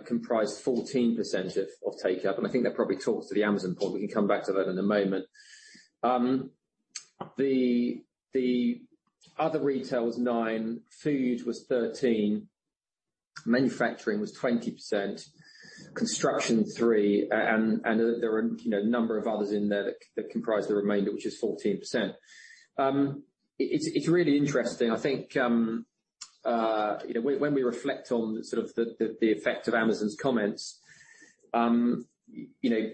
comprised 14% of take-up, and I think that probably talks to the Amazon point. We can come back to that in a moment. The other retail was 9%, food was 13%, manufacturing was 20%, construction 3%, and there are, you know, a number of others in there that comprise the remainder, which is 14%. It's really interesting. I think, you know, when we reflect on the sort of the effect of Amazon's comments, you know,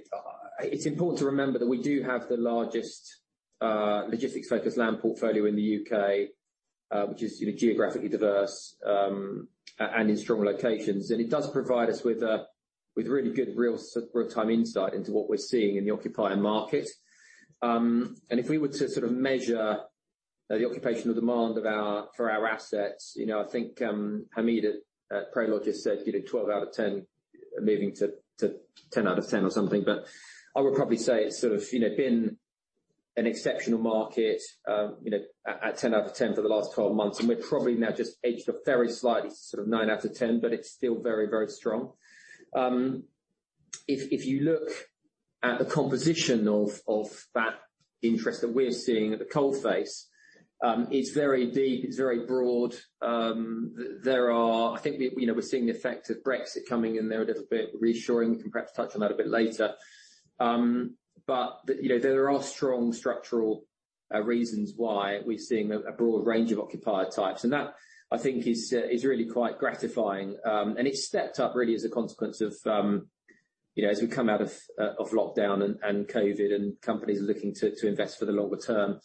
it's important to remember that we do have the largest logistics-focused land portfolio in the U.K., which is, you know, geographically diverse, and in strong locations. It does provide us with really good real-time insight into what we're seeing in the occupier market. If we were to sort of measure, you know, the occupational demand of our, for our assets, you know, I think, Hamid at Prologis said, you know, 12 out of 10, moving to 10 out of 10 or something. I would probably say it's sort of, you know, been an exceptional market, you know, at 10 out of 10 for the last 12 months. We're probably now just edged a very slightly sort of 9 out of 10, but it's still very, very strong. If you look at the composition of that interest that we're seeing at the coalface, it's very deep, it's very broad. I think we, you know, we're seeing the effect of Brexit coming in there a little bit, reassuring. We can perhaps touch on that a bit later. You know, there are strong structural reasons why we're seeing a broad range of occupier types. That, I think, is really quite gratifying. It's stepped up really as a consequence of, you know, as we come out of lockdown and COVID and companies looking to invest for the longer term.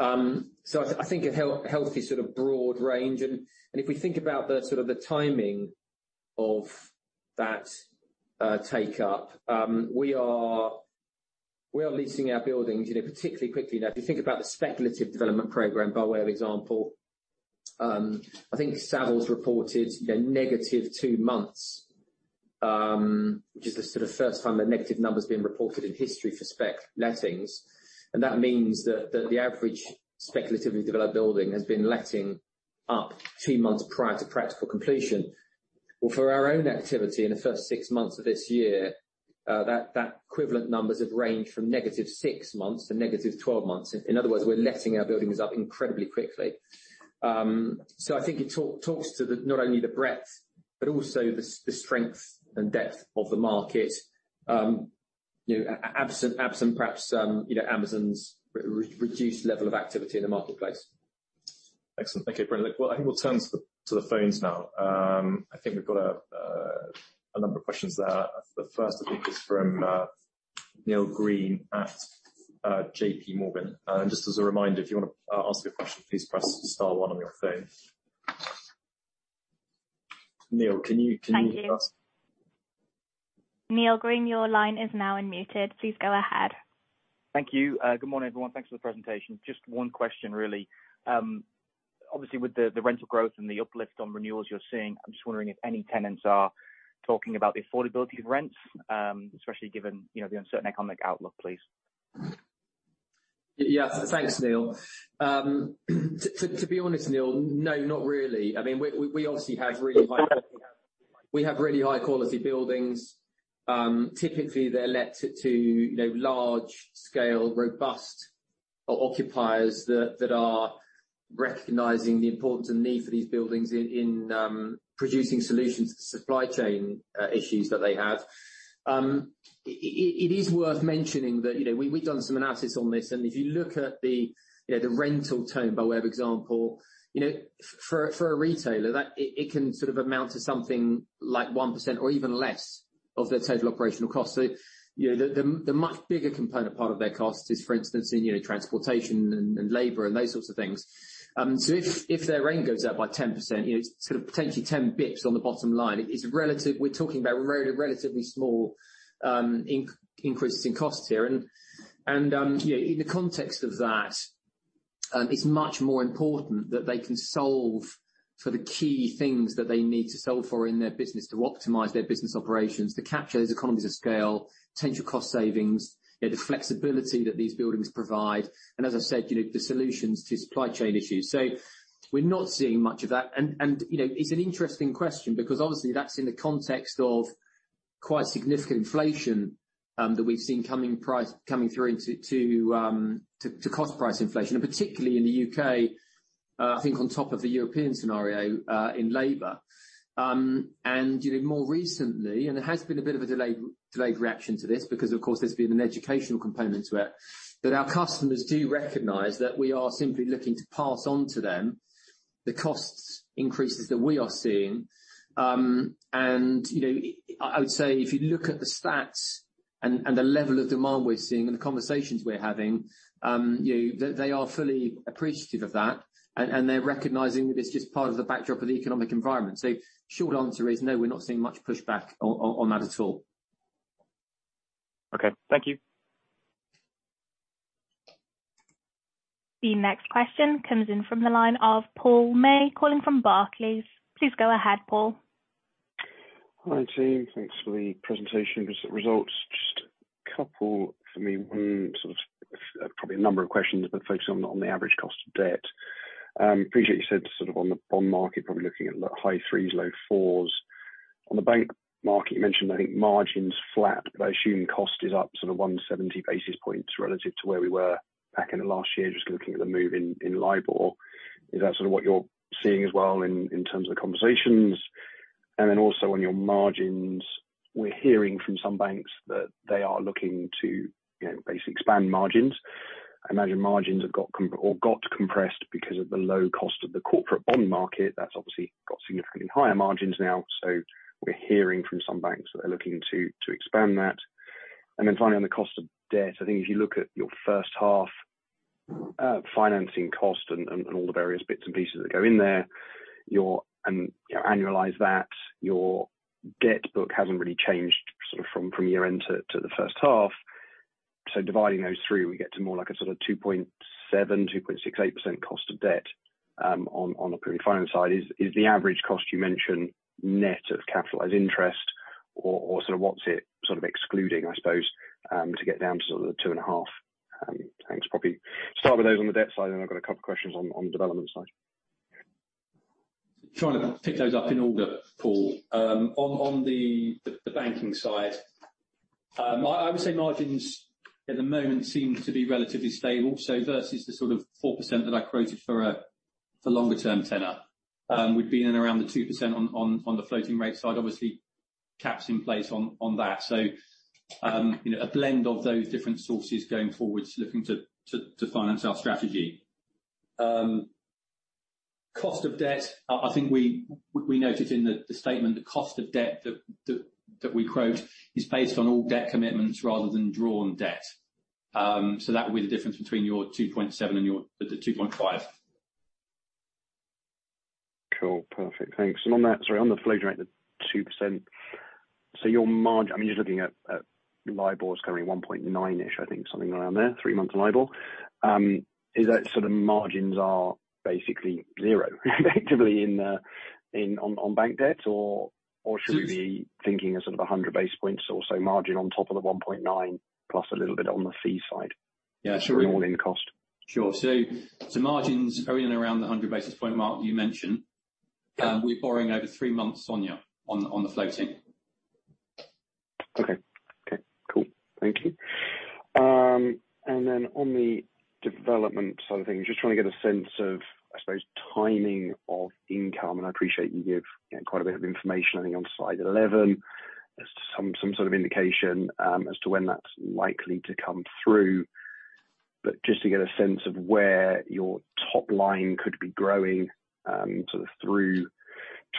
I think a healthy, sort of broad range. If we think about the sort of the timing of that take-up, we are leasing our buildings, you know, particularly quickly. Now, if you think about the speculative development program, by way of example, I think Savills reported, you know, negative two months, which is the sort of first time a negative number has been reported in history for spec lettings. That means that the average speculatively developed building has been letting up two months prior to practical completion. Well, for our own activity in the first six months of this year, that equivalent numbers have ranged from negative six months to -12 months. In other words, we're letting our buildings up incredibly quickly. I think it talks to not only the breadth, but also the strength and depth of the market, you know, absent perhaps, you know, Amazon's reduced level of activity in the marketplace. Excellent. Thank you. Brilliant. Well, I think we'll turn to the phones now. I think we've got a number of questions there. The first, I think, is from Neil Green at JPMorgan. Just as a reminder, if you wanna ask a question, please press star one on your phone. Neil, can you? Thank you. Neil Green, your line is now unmuted. Please go ahead. Thank you. Good morning, everyone. Thanks for the presentation. Just one question, really. Obviously, with the rental growth and the uplift on renewals you're seeing, I'm just wondering if any tenants are talking about the affordability of rents, especially given, you know, the uncertain economic outlook, please? Yeah. Thanks, Neil. To be honest, Neil, no, not really. I mean, we obviously have really high-quality buildings. Typically, they're let to you know, large-scale, robust occupiers that are recognizing the importance and need for these buildings in producing solutions to supply chain issues that they have. It is worth mentioning that, you know, we've done some analysis on this, and if you look at the, you know, the rental tone, by way of example, you know, for a retailer, it can sort of amount to something like 1% or even less of their total operational cost. So, you know, the much bigger component part of their cost is, for instance, in, you know, transportation and labor and those sorts of things. If their rent goes up by 10%, you know, it's sort of potentially 10 basis points on the bottom line. It's relative. We're talking about relatively small increases in costs here. You know, in the context of that, it's much more important that they can solve for the key things that they need to solve for in their business to optimize their business operations, to capture those economies of scale, potential cost savings, you know, the flexibility that these buildings provide, and as I said, you know, the solutions to supply chain issues. We're not seeing much of that. You know, it's an interesting question because obviously that's in the context of quite significant inflation that we've seen coming through into cost price inflation, and particularly in the U.K., I think on top of the European scenario, in labor. You know, more recently, there has been a bit of a delayed reaction to this because, of course, there's been an educational component to it, but our customers do recognize that we are simply looking to pass on to them the cost increases that we are seeing. You know, I would say if you look at the stats and the level of demand we're seeing and the conversations we're having, you know, they are fully appreciative of that and they're recognizing that it's just part of the backdrop of the economic environment. Short answer is no, we're not seeing much pushback on that at all. Okay. Thank you. The next question comes in from the line of Paul May calling from Barclays. Please go ahead, Paul. Hi, team. Thanks for the presentation results. Just a couple for me. One sort of probably a number of questions, but focusing on the average cost of debt. Appreciate you said sort of on the bond market, probably looking at high 3s%, low 4s%. On the bank market, you mentioned I think margins flat, but I assume cost is up sort of 170 basis points relative to where we were back in the last year, just looking at the move in LIBOR. Is that sort of what you're seeing as well in terms of the conversations? Then also on your margins, we're hearing from some banks that they are looking to, you know, basically expand margins. I imagine margins have got compressed because of the low cost of the corporate bond market. That's obviously got significantly higher margins now. We're hearing from some banks that are looking to expand that. Finally, on the cost of debt, I think if you look at your first half financing cost and all the various bits and pieces that go in there, you know, annualize that, your debt book hasn't really changed sort of from year-end to the first half. Dividing those three, we get to more like a sort of 2.7%, 2.68% cost of debt, on the pre-finance side. Is the average cost you mentioned net of capitalized interest or sort of what's it sort of excluding, I suppose, to get down to sort of the 2.5%? Thanks. Probably start with those on the debt side, and I've got a couple questions on the development side. Trying to pick those up in order, Paul. On the banking side, I would say margins at the moment seem to be relatively stable. Versus the sort of 4% that I quoted for a longer-term tenor, we've been in around the 2% on the floating rate side. Obviously, caps in place on that. You know, a blend of those different sources going forwards looking to finance our strategy. Cost of debt, I think we noted in the statement the cost of debt that we quote is based on all debt commitments rather than drawn debt. That would be the difference between your 2.7% and your 2.5%. Cool. Perfect. Thanks. On that, sorry, on the floating rate, the 2%, so your margin, I mean, just looking at LIBOR is currently 1.9-ish%, I think something around there, three-month LIBOR. Is that sort of margins are basically zero effectively on bank debt? Or should we be thinking of sort of 100 basis points or so margin on top of the 1.9+% a little bit on the fee side? Yeah, sure. for an all-in cost? Sure. Margins are in and around the 100 basis point mark you mentioned. We're borrowing over three-month SONIA on the floating. Okay, cool. Thank you. On the development side of things, just trying to get a sense of, I suppose, timing of income, and I appreciate you give, you know, quite a bit of information, I think, on slide 11, as to some sort of indication as to when that's likely to come through. Just to get a sense of where your top line could be growing, sort of through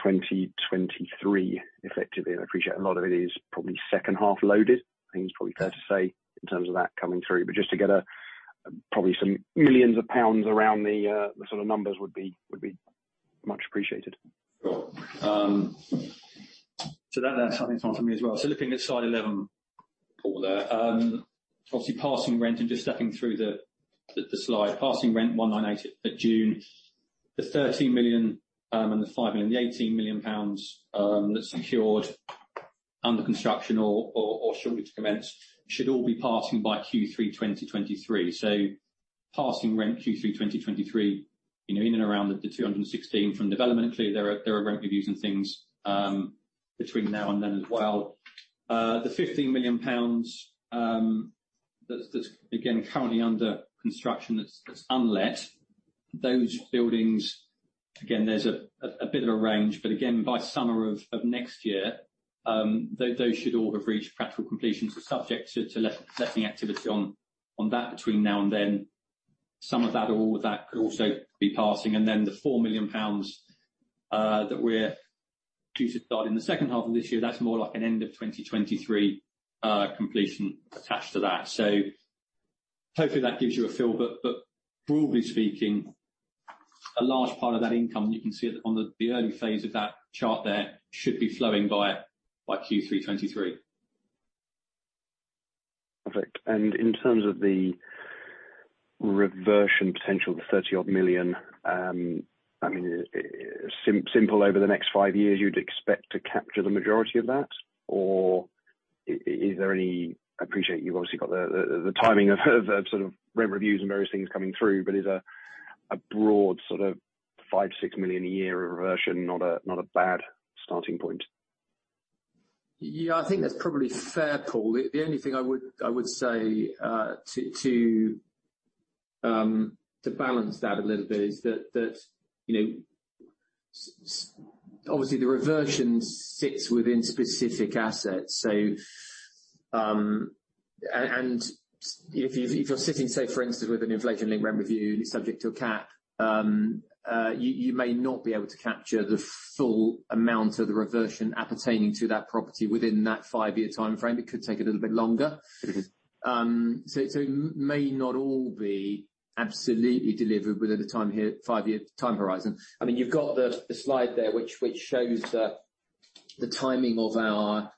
2023 effectively. I appreciate a lot of it is probably second-half loaded. I think it's probably fair to say in terms of that coming through. Just to get a, probably some millions of pounds around the sort of numbers would be much appreciated. Sure. That's something for me as well. Looking at slide 11, Paul, there. Obviously passing rent and just stepping through the slide. Passing rent 198 million at June. The 13 million and the 5 million, the 18 million pounds, that's secured under construction or shortly to commence should all be passing by Q3 2023. Passing rent Q3 2023, you know, in and around the 216 million from development. Clearly, there are rent reviews and things between now and then as well. The 15 million pounds, that's again currently under construction. That's unlet. Those buildings, again, there's a bit of a range, but again, by summer of next year, those should all have reached practical completion, so subject to letting activity on that between now and then. Some of that or all of that could also be passing. Then the 4 million pounds that we're due to start in the second half of this year, that's more like an end of 2023 completion attached to that. Hopefully that gives you a feel, but broadly speaking, a large part of that income, you can see it on the early phase of that chart there, should be flowing by Q3 2023. Perfect. In terms of the reversion potential of the 30-odd million, simply over the next five years, you'd expect to capture the majority of that? Or is there any. I appreciate you've obviously got the timing of sort of rent reviews and various things coming through, but is a broad sort of 5 million-6 million a year reversion not a bad starting point? Yeah, I think that's probably fair, Paul. The only thing I would say to balance that a little bit is that you know, obviously the reversion sits within specific assets, so if you're sitting, say, for instance, with an inflation-linked rent review, and it's subject to a cap, you may not be able to capture the full amount of the reversion appertaining to that property within that five-year timeframe. It could take a little bit longer. Mm-hmm. It may not all be absolutely delivered within a time here, five-year time horizon. I mean, you've got the slide there which shows the timing of our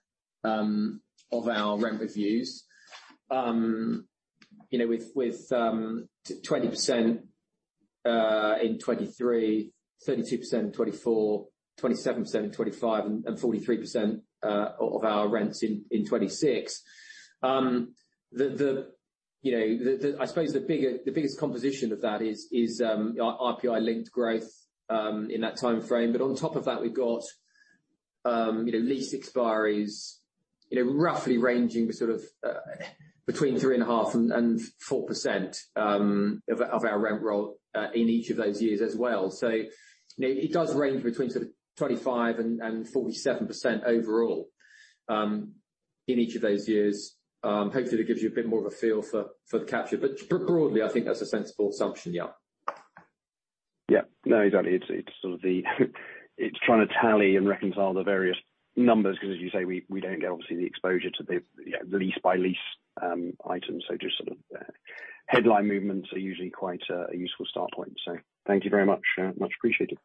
rent reviews. You know, with 20% in 2023, 32% in 2024, 27% in 2025, and 43% of our rents in 2026. You know, I suppose the biggest composition of that is RPI-linked growth in that timeframe. On top of that, we've got you know, lease expiries, you know, roughly ranging sort of between 3.5% and 4% of our rent roll in each of those years as well. It does range between sort of 25%-47% overall in each of those years. Hopefully that gives you a bit more of a feel for the capture. Broadly, I think that's a sensible assumption. Yeah. Yeah. No, exactly. It's trying to tally and reconcile the various numbers, 'cause as you say, we don't get obviously the exposure to the, you know, lease-by-lease items. Just sort of headline movements are usually quite a useful start point. Thank you very much. Much appreciated.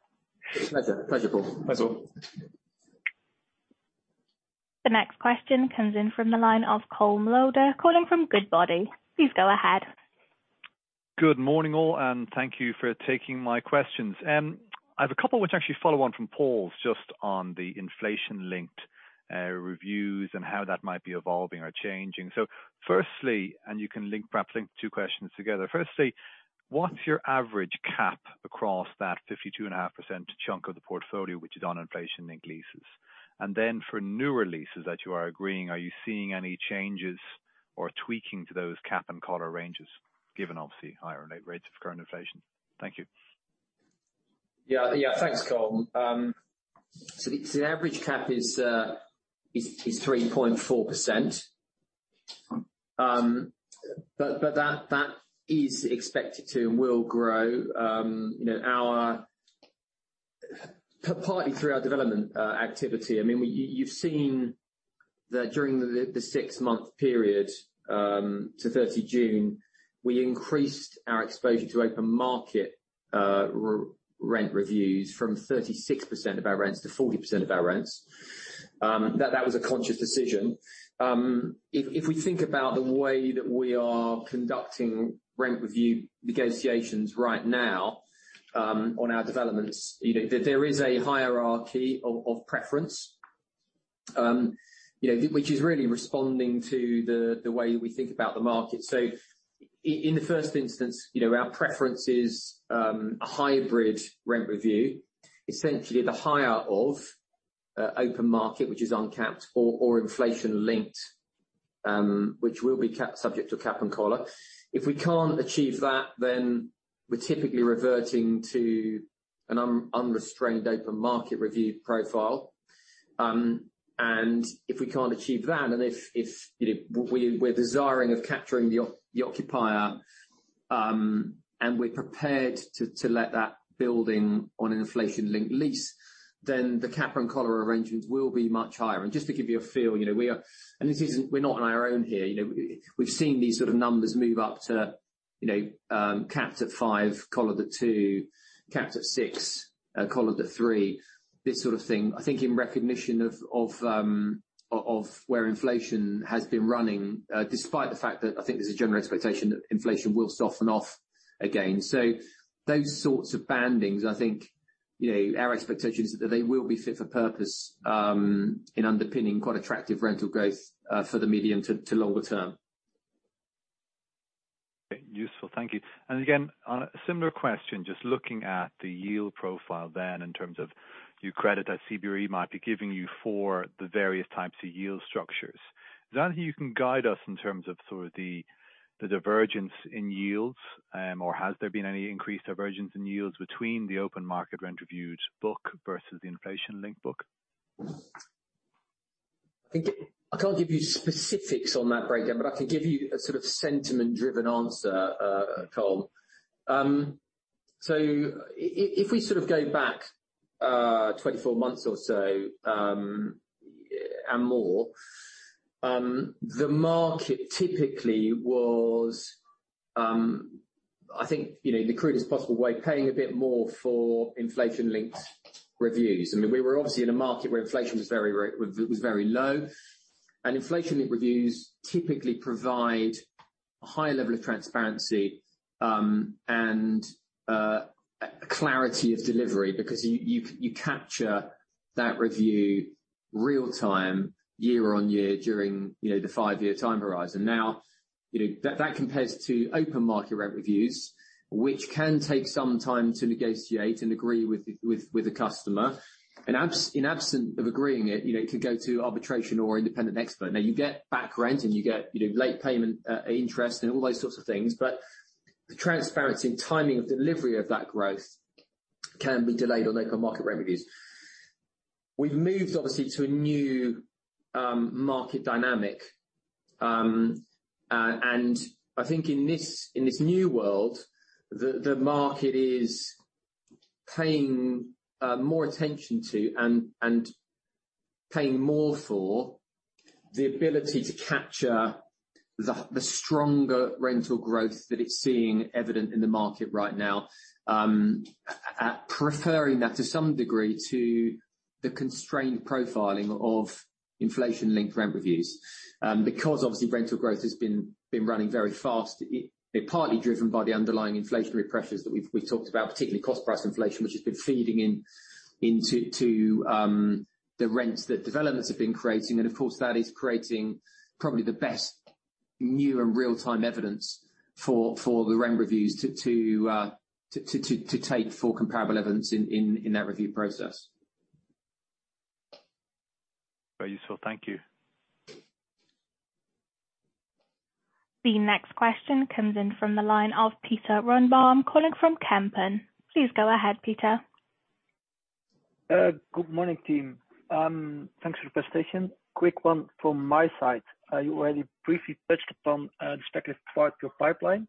Pleasure. Pleasure, Paul. Thanks, all. The next question comes in from the line of Colm Lauder calling from Goodbody. Please go ahead. Good morning, all, and thank you for taking my questions. I have a couple which actually follow on from Paul's just on the inflation-linked reviews and how that might be evolving or changing. Firstly, and you can perhaps link two questions together. Firstly, what's your average cap across that 52.5% chunk of the portfolio which is on inflation-linked leases? And then for new leases that you are agreeing, are you seeing any changes or tweaking to those cap and collar ranges, given obviously higher rates of current inflation? Thank you. Yeah, yeah. Thanks, Colm. So the average cap is 3.4%. But that is expected to and will grow, you know, partly through our development activity. I mean, you've seen that during the six-month period to 30 June, we increased our exposure to open market rent reviews from 36% of our rents to 40% of our rents. That was a conscious decision. If we think about the way that we are conducting rent review negotiations right now on our developments, you know, there is a hierarchy of preference. You know, which is really responding to the way we think about the market. In the first instance, you know, our preference is a hybrid rent review, essentially the higher of open market, which is uncapped or inflation-linked, which will be subject to cap and collar. If we can't achieve that, then we're typically reverting to an unrestrained open market review profile. If we can't achieve that, and if you know, we're desiring of capturing the occupier, and we're prepared to let that building on an inflation-linked lease, then the cap and collar arrangements will be much higher. Just to give you a feel, you know, we're not on our own here. You know, we've seen these sort of numbers move up to you know, capped at 5%, collared at 2%, capped at 6%, collared at 3%, this sort of thing. I think in recognition of where inflation has been running, despite the fact that I think there's a general expectation that inflation will soften off again. Those sorts of bandings, I think, you know, our expectation is that they will be fit for purpose, in underpinning quite attractive rental growth, for the medium to longer term. Okay. Useful. Thank you. Again, on a similar question, just looking at the yield profile then in terms of new credit that CBRE might be giving you for the various types of yield structures. Is there anything you can guide us in terms of sort of the divergence in yields, or has there been any increased divergence in yields between the open market rent reviewed book versus the inflation-linked book? I think I can't give you specifics on that breakdown, but I can give you a sort of sentiment-driven answer, Colm. If we sort of go back 24 months or so, and more, the market typically was, I think, you know, in the crudest possible way, paying a bit more for inflation-linked reviews. I mean, we were obviously in a market where inflation was very low, and inflation reviews typically provide a higher level of transparency and clarity of delivery because you capture that review real-time, year on year during, you know, the five-year time horizon. Now, you know, that compares to open market rent reviews, which can take some time to negotiate and agree with the customer. In the absence of agreeing it, you know, it could go to arbitration or independent expert. Now you get back rent and you get, you know, late payment, interest and all those sorts of things, but the transparency and timing of delivery of that growth can be delayed on open market rent reviews. We've moved obviously to a new market dynamic, and I think in this new world, the market is paying more attention to and paying more for the ability to capture the stronger rental growth that's evident in the market right now, preferring that to some degree to the constrained profiling of inflation-linked rent reviews. Because obviously rental growth has been running very fast, it partly driven by the underlying inflationary pressures that we've talked about, particularly cost price inflation, which has been feeding into the rents that developments have been creating. Of course, that is creating probably the best new and real-time evidence for the rent reviews to take for comparable evidence in that review process. Very useful. Thank you. The next question comes in from the line of Peter Runnebaum, calling from Kempen. Please go ahead, Peter. Good morning, team. Thanks for your presentation. Quick one from my side. You already briefly touched upon the speculative part of your pipeline.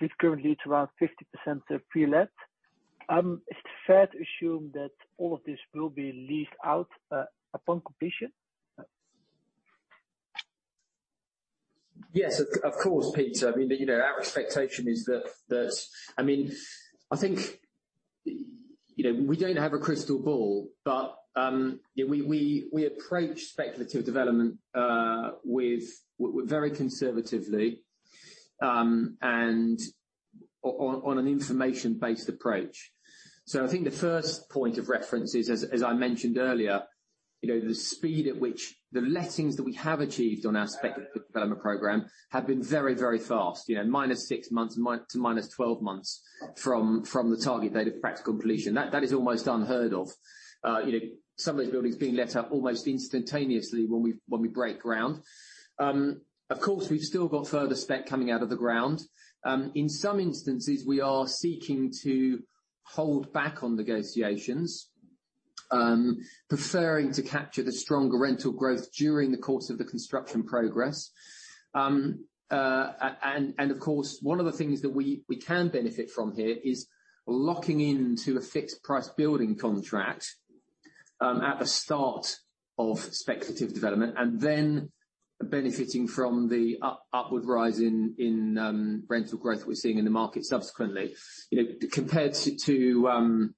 So currently it's around 50% pre-let. Is it fair to assume that all of this will be leased out upon completion? Yes, of course, Peter. I mean, you know, our expectation is that. I mean, I think, you know, we don't have a crystal ball, but, yeah, we approach speculative development with very conservatively, and on an information-based approach. I think the first point of reference is as I mentioned earlier, you know, the speed at which the lettings that we have achieved on our speculative development program have been very, very fast. You know, minus 6 months to minus 12 months from the target date of practical completion. That is almost unheard of. You know, some of these buildings are being let up almost instantaneously when we break ground. Of course, we've still got further spec coming out of the ground. In some instances, we are seeking to hold back on negotiations, preferring to capture the stronger rental growth during the course of the construction progress. Of course, one of the things that we can benefit from here is locking into a fixed price building contract at the start of speculative development, and then benefiting from the upward rise in rental growth we're seeing in the market subsequently. You know, compared to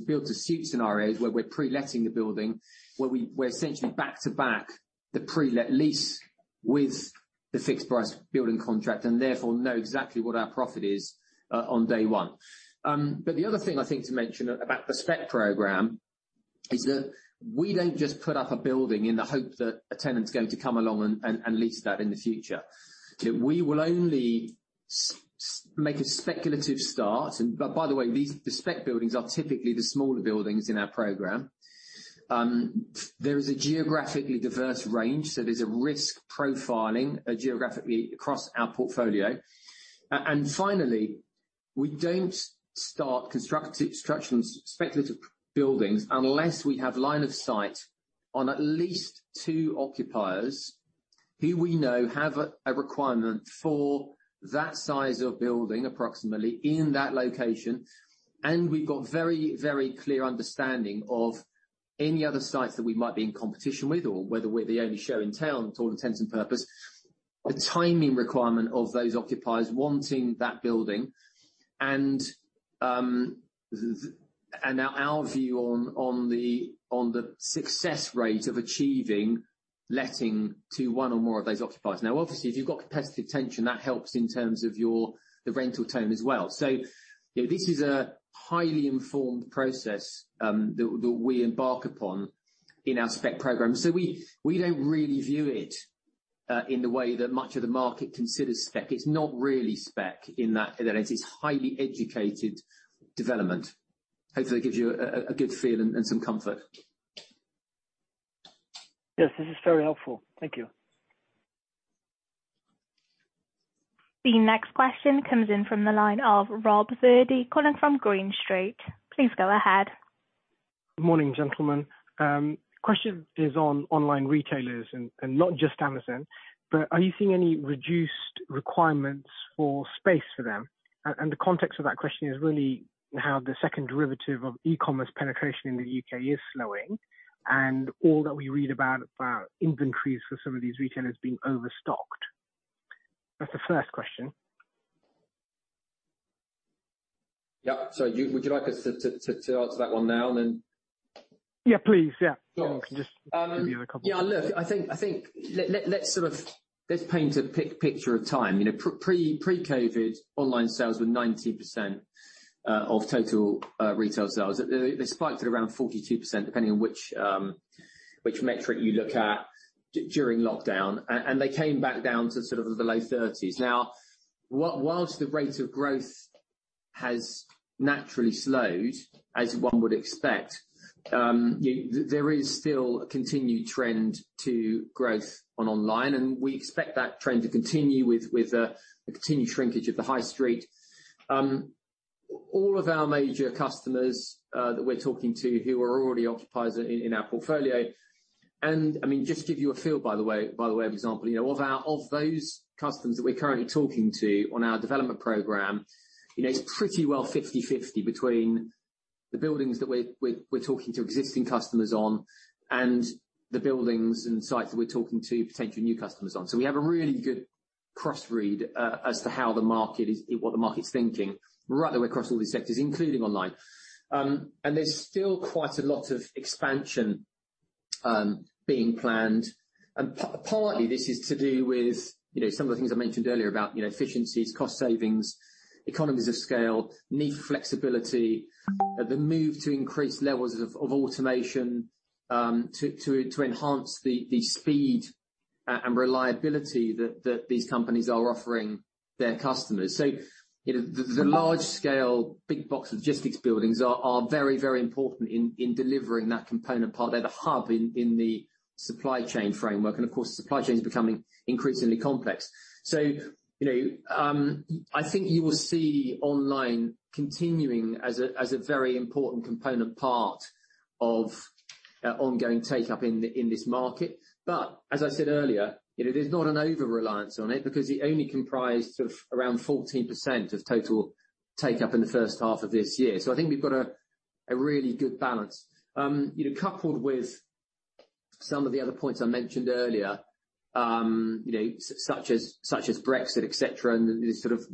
build-to-suit scenarios where we're pre-letting the building, where we're essentially back to back the pre-let lease with the fixed price building contract and therefore know exactly what our profit is on day one. The other thing I think to mention about the spec program is that we don't just put up a building in the hope that a tenant's going to come along and lease that in the future. You know, we will only make a speculative start. But by the way, these spec buildings are typically the smaller buildings in our program. There is a geographically diverse range, so there's a risk profiling geographically across our portfolio. Finally, we don't start construction speculative buildings unless we have line of sight on at least two occupiers who we know have a requirement for that size of building approximately in that location. We've got very, very clear understanding of any other sites that we might be in competition with or whether we're the only show in town to all intents and purpose. The timing requirement of those occupiers wanting that building and our view on the success rate of achieving letting to one or more of those occupiers. Now, obviously, if you've got competitive tension, that helps in terms of the rental tone as well. You know, this is a highly informed process that we embark upon in our spec program. We don't really view it in the way that much of the market considers spec. It's not really spec in that sense. It's highly educated development. Hopefully, that gives you a good feel and some comfort. Yes. This is very helpful. Thank you. The next question comes in from the line of Rob Virdee, calling from Green Street. Please go ahead. Good morning, gentlemen. Question is on online retailers and not just Amazon, but are you seeing any reduced requirements for space for them? The context of that question is really how the second derivative of e-commerce penetration in the U.K. is slowing, and all that we read about inventories for some of these retailers being overstocked. That's the first question. Would you like us to answer that one now and then? Yeah, please. Yeah. Sure. You can just give me a couple Yeah, look, I think let's paint a picture of time. You know pre-COVID, online sales were 90% of total retail sales. They spiked at around 42% depending on which metric you look at during lockdown. And they came back down to sort of the low 30s%. Now, while the rate of growth has naturally slowed, as one would expect, there is still a continued trend to growth on online, and we expect that trend to continue with the continued shrinkage of the high street. All of our major customers that we're talking to who are already occupiers in our portfolio, and I mean, just to give you a feel, by the way, for example, you know, of those customers that we're currently talking to on our development program, you know, it's pretty well 50/50 between the buildings that we're talking to existing customers on and the buildings and sites that we're talking to potential new customers on. We have a really good cross-read as to how the market is what the market is thinking right the way across all these sectors, including online. There's still quite a lot of expansion being planned. Partly this is to do with, you know, some of the things I mentioned earlier about, you know, efficiencies, cost savings, economies of scale, need for flexibility, the move to increased levels of automation to enhance the speed and reliability that these companies are offering their customers. You know, the large scale big box logistics buildings are very important in delivering that component part. They're the hub in the supply chain framework, and of course, the supply chain is becoming increasingly complex. You know, I think you will see online continuing as a very important component part of ongoing take-up in this market. As I said earlier, you know, there's not an over-reliance on it because it only comprised of around 14% of total take-up in the first half of this year. I think we've got a really good balance. You know, coupled with some of the other points I mentioned earlier, you know, such as Brexit, et cetera, and the sort of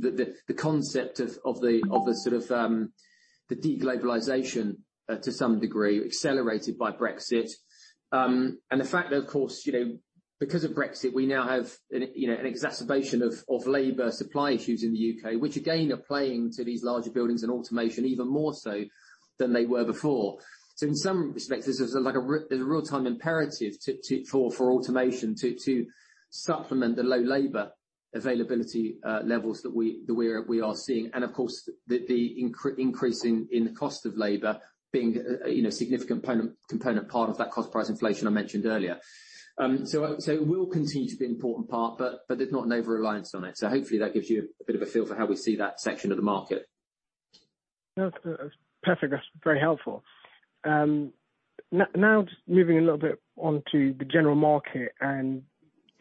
concept of the sort of de-globalization to some degree accelerated by Brexit. The fact that, of course, you know, because of Brexit, we now have an exacerbation of labor supply issues in the U.K., which again, are playing to these larger buildings and automation even more so than they were before. In some respects, this is like a there's a real-time imperative to. For automation to supplement the low labor availability levels that we are seeing. Of course, the increase in the cost of labor being, you know, a significant component part of that cost price inflation I mentioned earlier. It will continue to be an important part, but there's not an over-reliance on it. Hopefully that gives you a bit of a feel for how we see that section of the market. No, that's perfect. That's very helpful. Now just moving a little bit on to the general market and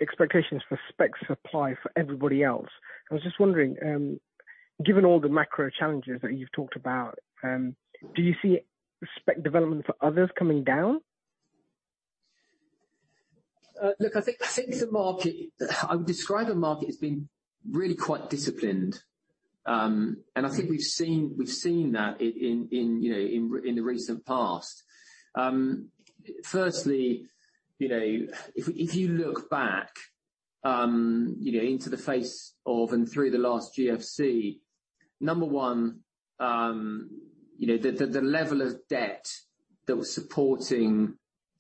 expectations for specs supply for everybody else. I was just wondering, given all the macro challenges that you've talked about, do you see spec development for others coming down? I think I would describe the market as being really quite disciplined. I think we've seen that in, you know, in the recent past. Firstly, you know, if you look back, you know, in the face of and through the last GFC, number one, you know, the level of debt that was supporting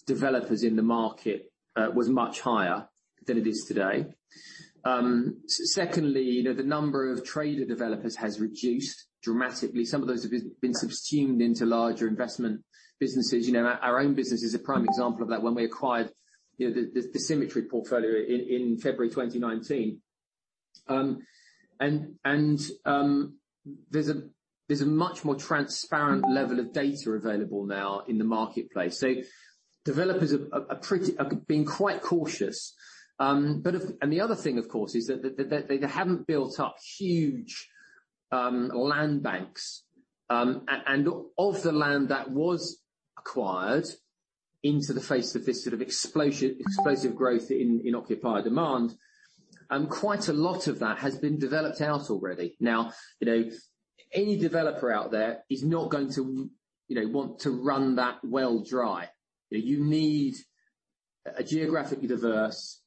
developers in the market was much higher than it is today. Secondly, you know, the number of trader developers has reduced dramatically. Some of those have been subsumed into larger investment businesses. You know, our own business is a prime example of that when we acquired, you know, the Symmetry portfolio in February 2019. There's a much more transparent level of data available now in the marketplace. Developers have been quite cautious. The other thing, of course, is that they haven't built up huge land banks, and of the land that was acquired in the face of this sort of explosive growth in occupier demand, quite a lot of that has been developed out already. Now, you know, any developer out there is not going to, you know, want to run that well dry. You need a geographically diverse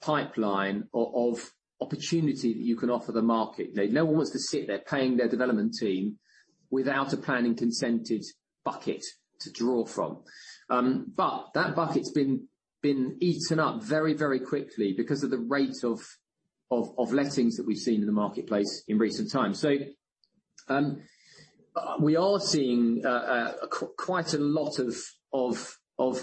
pipeline of opportunity that you can offer the market. No one wants to sit there paying their development team without a planning consented bucket to draw from. But that bucket's been eaten up very, very quickly because of the rate of lettings that we've seen in the marketplace in recent times. We are seeing quite a lot of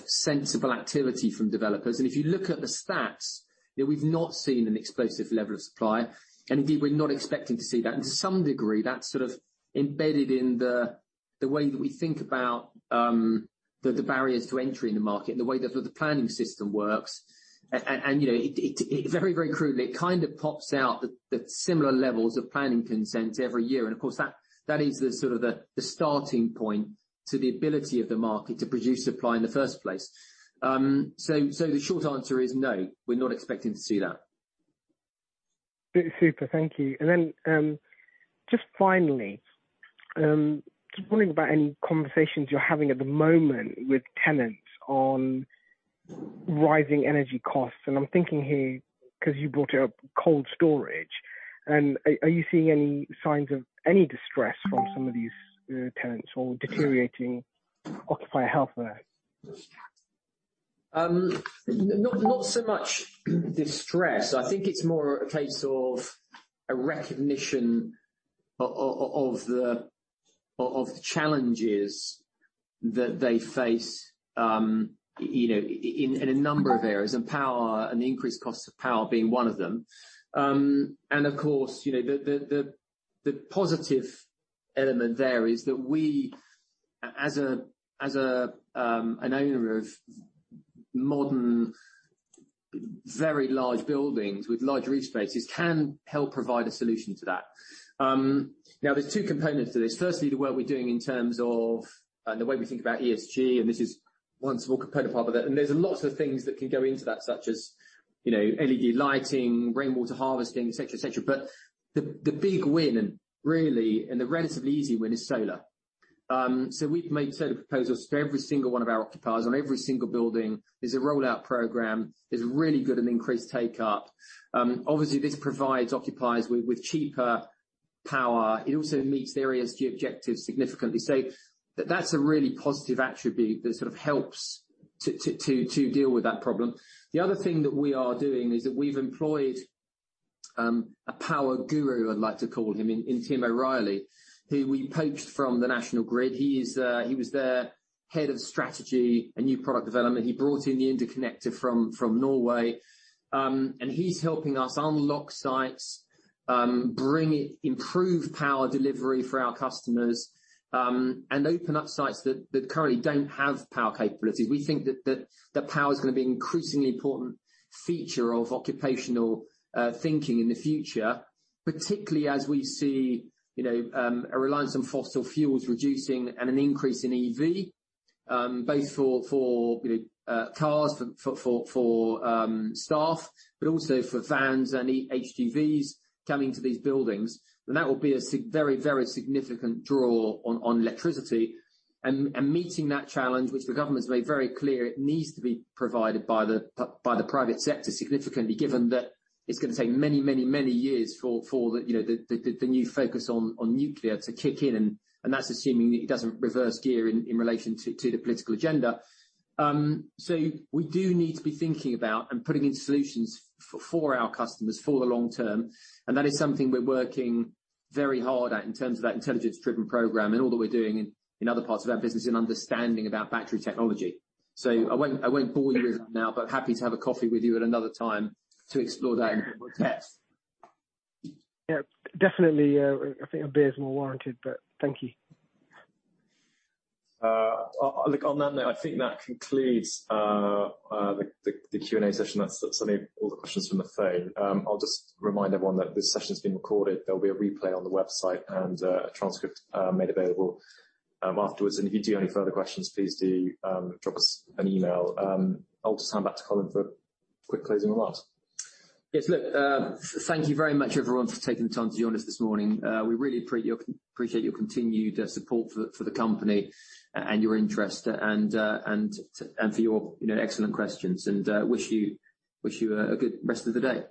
sensible activity from developers. If you look at the stats, you know, we've not seen an explosive level of supply. Indeed, we're not expecting to see that. To some degree, that's sort of embedded in the way that we think about the barriers to entry in the market and the way the planning system works. And you know, it very crudely, it kind of pops out that similar levels of planning consents every year. Of course, that is the sort of the starting point to the ability of the market to produce supply in the first place. The short answer is no, we're not expecting to see that. Super. Thank you. Then, just finally, just wondering about any conversations you're having at the moment with tenants on rising energy costs. I'm thinking here 'cause you brought up cold storage. Are you seeing any signs of any distress from some of these tenants or deteriorating occupier health there? Not so much distress. I think it's more a case of a recognition of the challenges that they face, you know, in a number of areas, and power and the increased cost of power being one of them. Of course, you know, the positive element there is that we as a an owner of modern, very large buildings with large roof spaces, can help provide a solution to that. Now there's two components to this. Firstly, the work we're doing in terms of, and the way we think about ESG, and this is one small component part of it. There's lots of things that can go into that, such as, you know, LED lighting, rainwater harvesting, et cetera, et cetera. The big win and really the relatively easy win is solar. We've made solar proposals for every single one of our occupiers on every single building. There's a rollout program. There's really good and increased take-up. Obviously, this provides occupiers with cheaper power. It also meets the ESG objectives significantly. That's a really positive attribute that sort of helps to deal with that problem. The other thing that we are doing is that we've employed a power guru, I'd like to call him, in Tim O'Reilly, who we poached from the National Grid. He was their head of strategy and new product development. He brought in the interconnector from Norway. He's helping us unlock sites, improve power delivery for our customers, and open up sites that currently don't have power capabilities. We think that power is gonna be an increasingly important feature of occupational thinking in the future, particularly as we see, you know, a reliance on fossil fuels reducing and an increase in EV both for staff, but also for vans and HGVs coming to these buildings. That will be a very significant draw on electricity and meeting that challenge, which the government's made very clear it needs to be provided by the private sector significantly, given that it's gonna take many years for the you know, the new focus on nuclear to kick in. That's assuming that it doesn't reverse gear in relation to the political agenda. We do need to be thinking about and putting in solutions for our customers for the long term, and that is something we're working very hard at in terms of that intelligence-driven program and all that we're doing in other parts of our business in understanding about battery technology. I won't bore you with that now, but happy to have a coffee with you at another time to explore that in a bit more depth. Yeah. Definitely. I think a beer is more warranted, but thank you. Look, on that note, I think that concludes the Q&A session. That's all the questions from the phone. I'll just remind everyone that this session is being recorded. There'll be a replay on the website and a transcript made available afterwards. If you do any further questions, please do drop us an email. I'll just hand back to Colin for quick closing remarks. Yes. Look, thank you very much everyone for taking the time to join us this morning. We really appreciate your continued support for the company and your interest and for your, you know, excellent questions. Wish you a good rest of the day.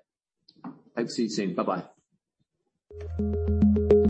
Hope to see you soon. Bye-bye.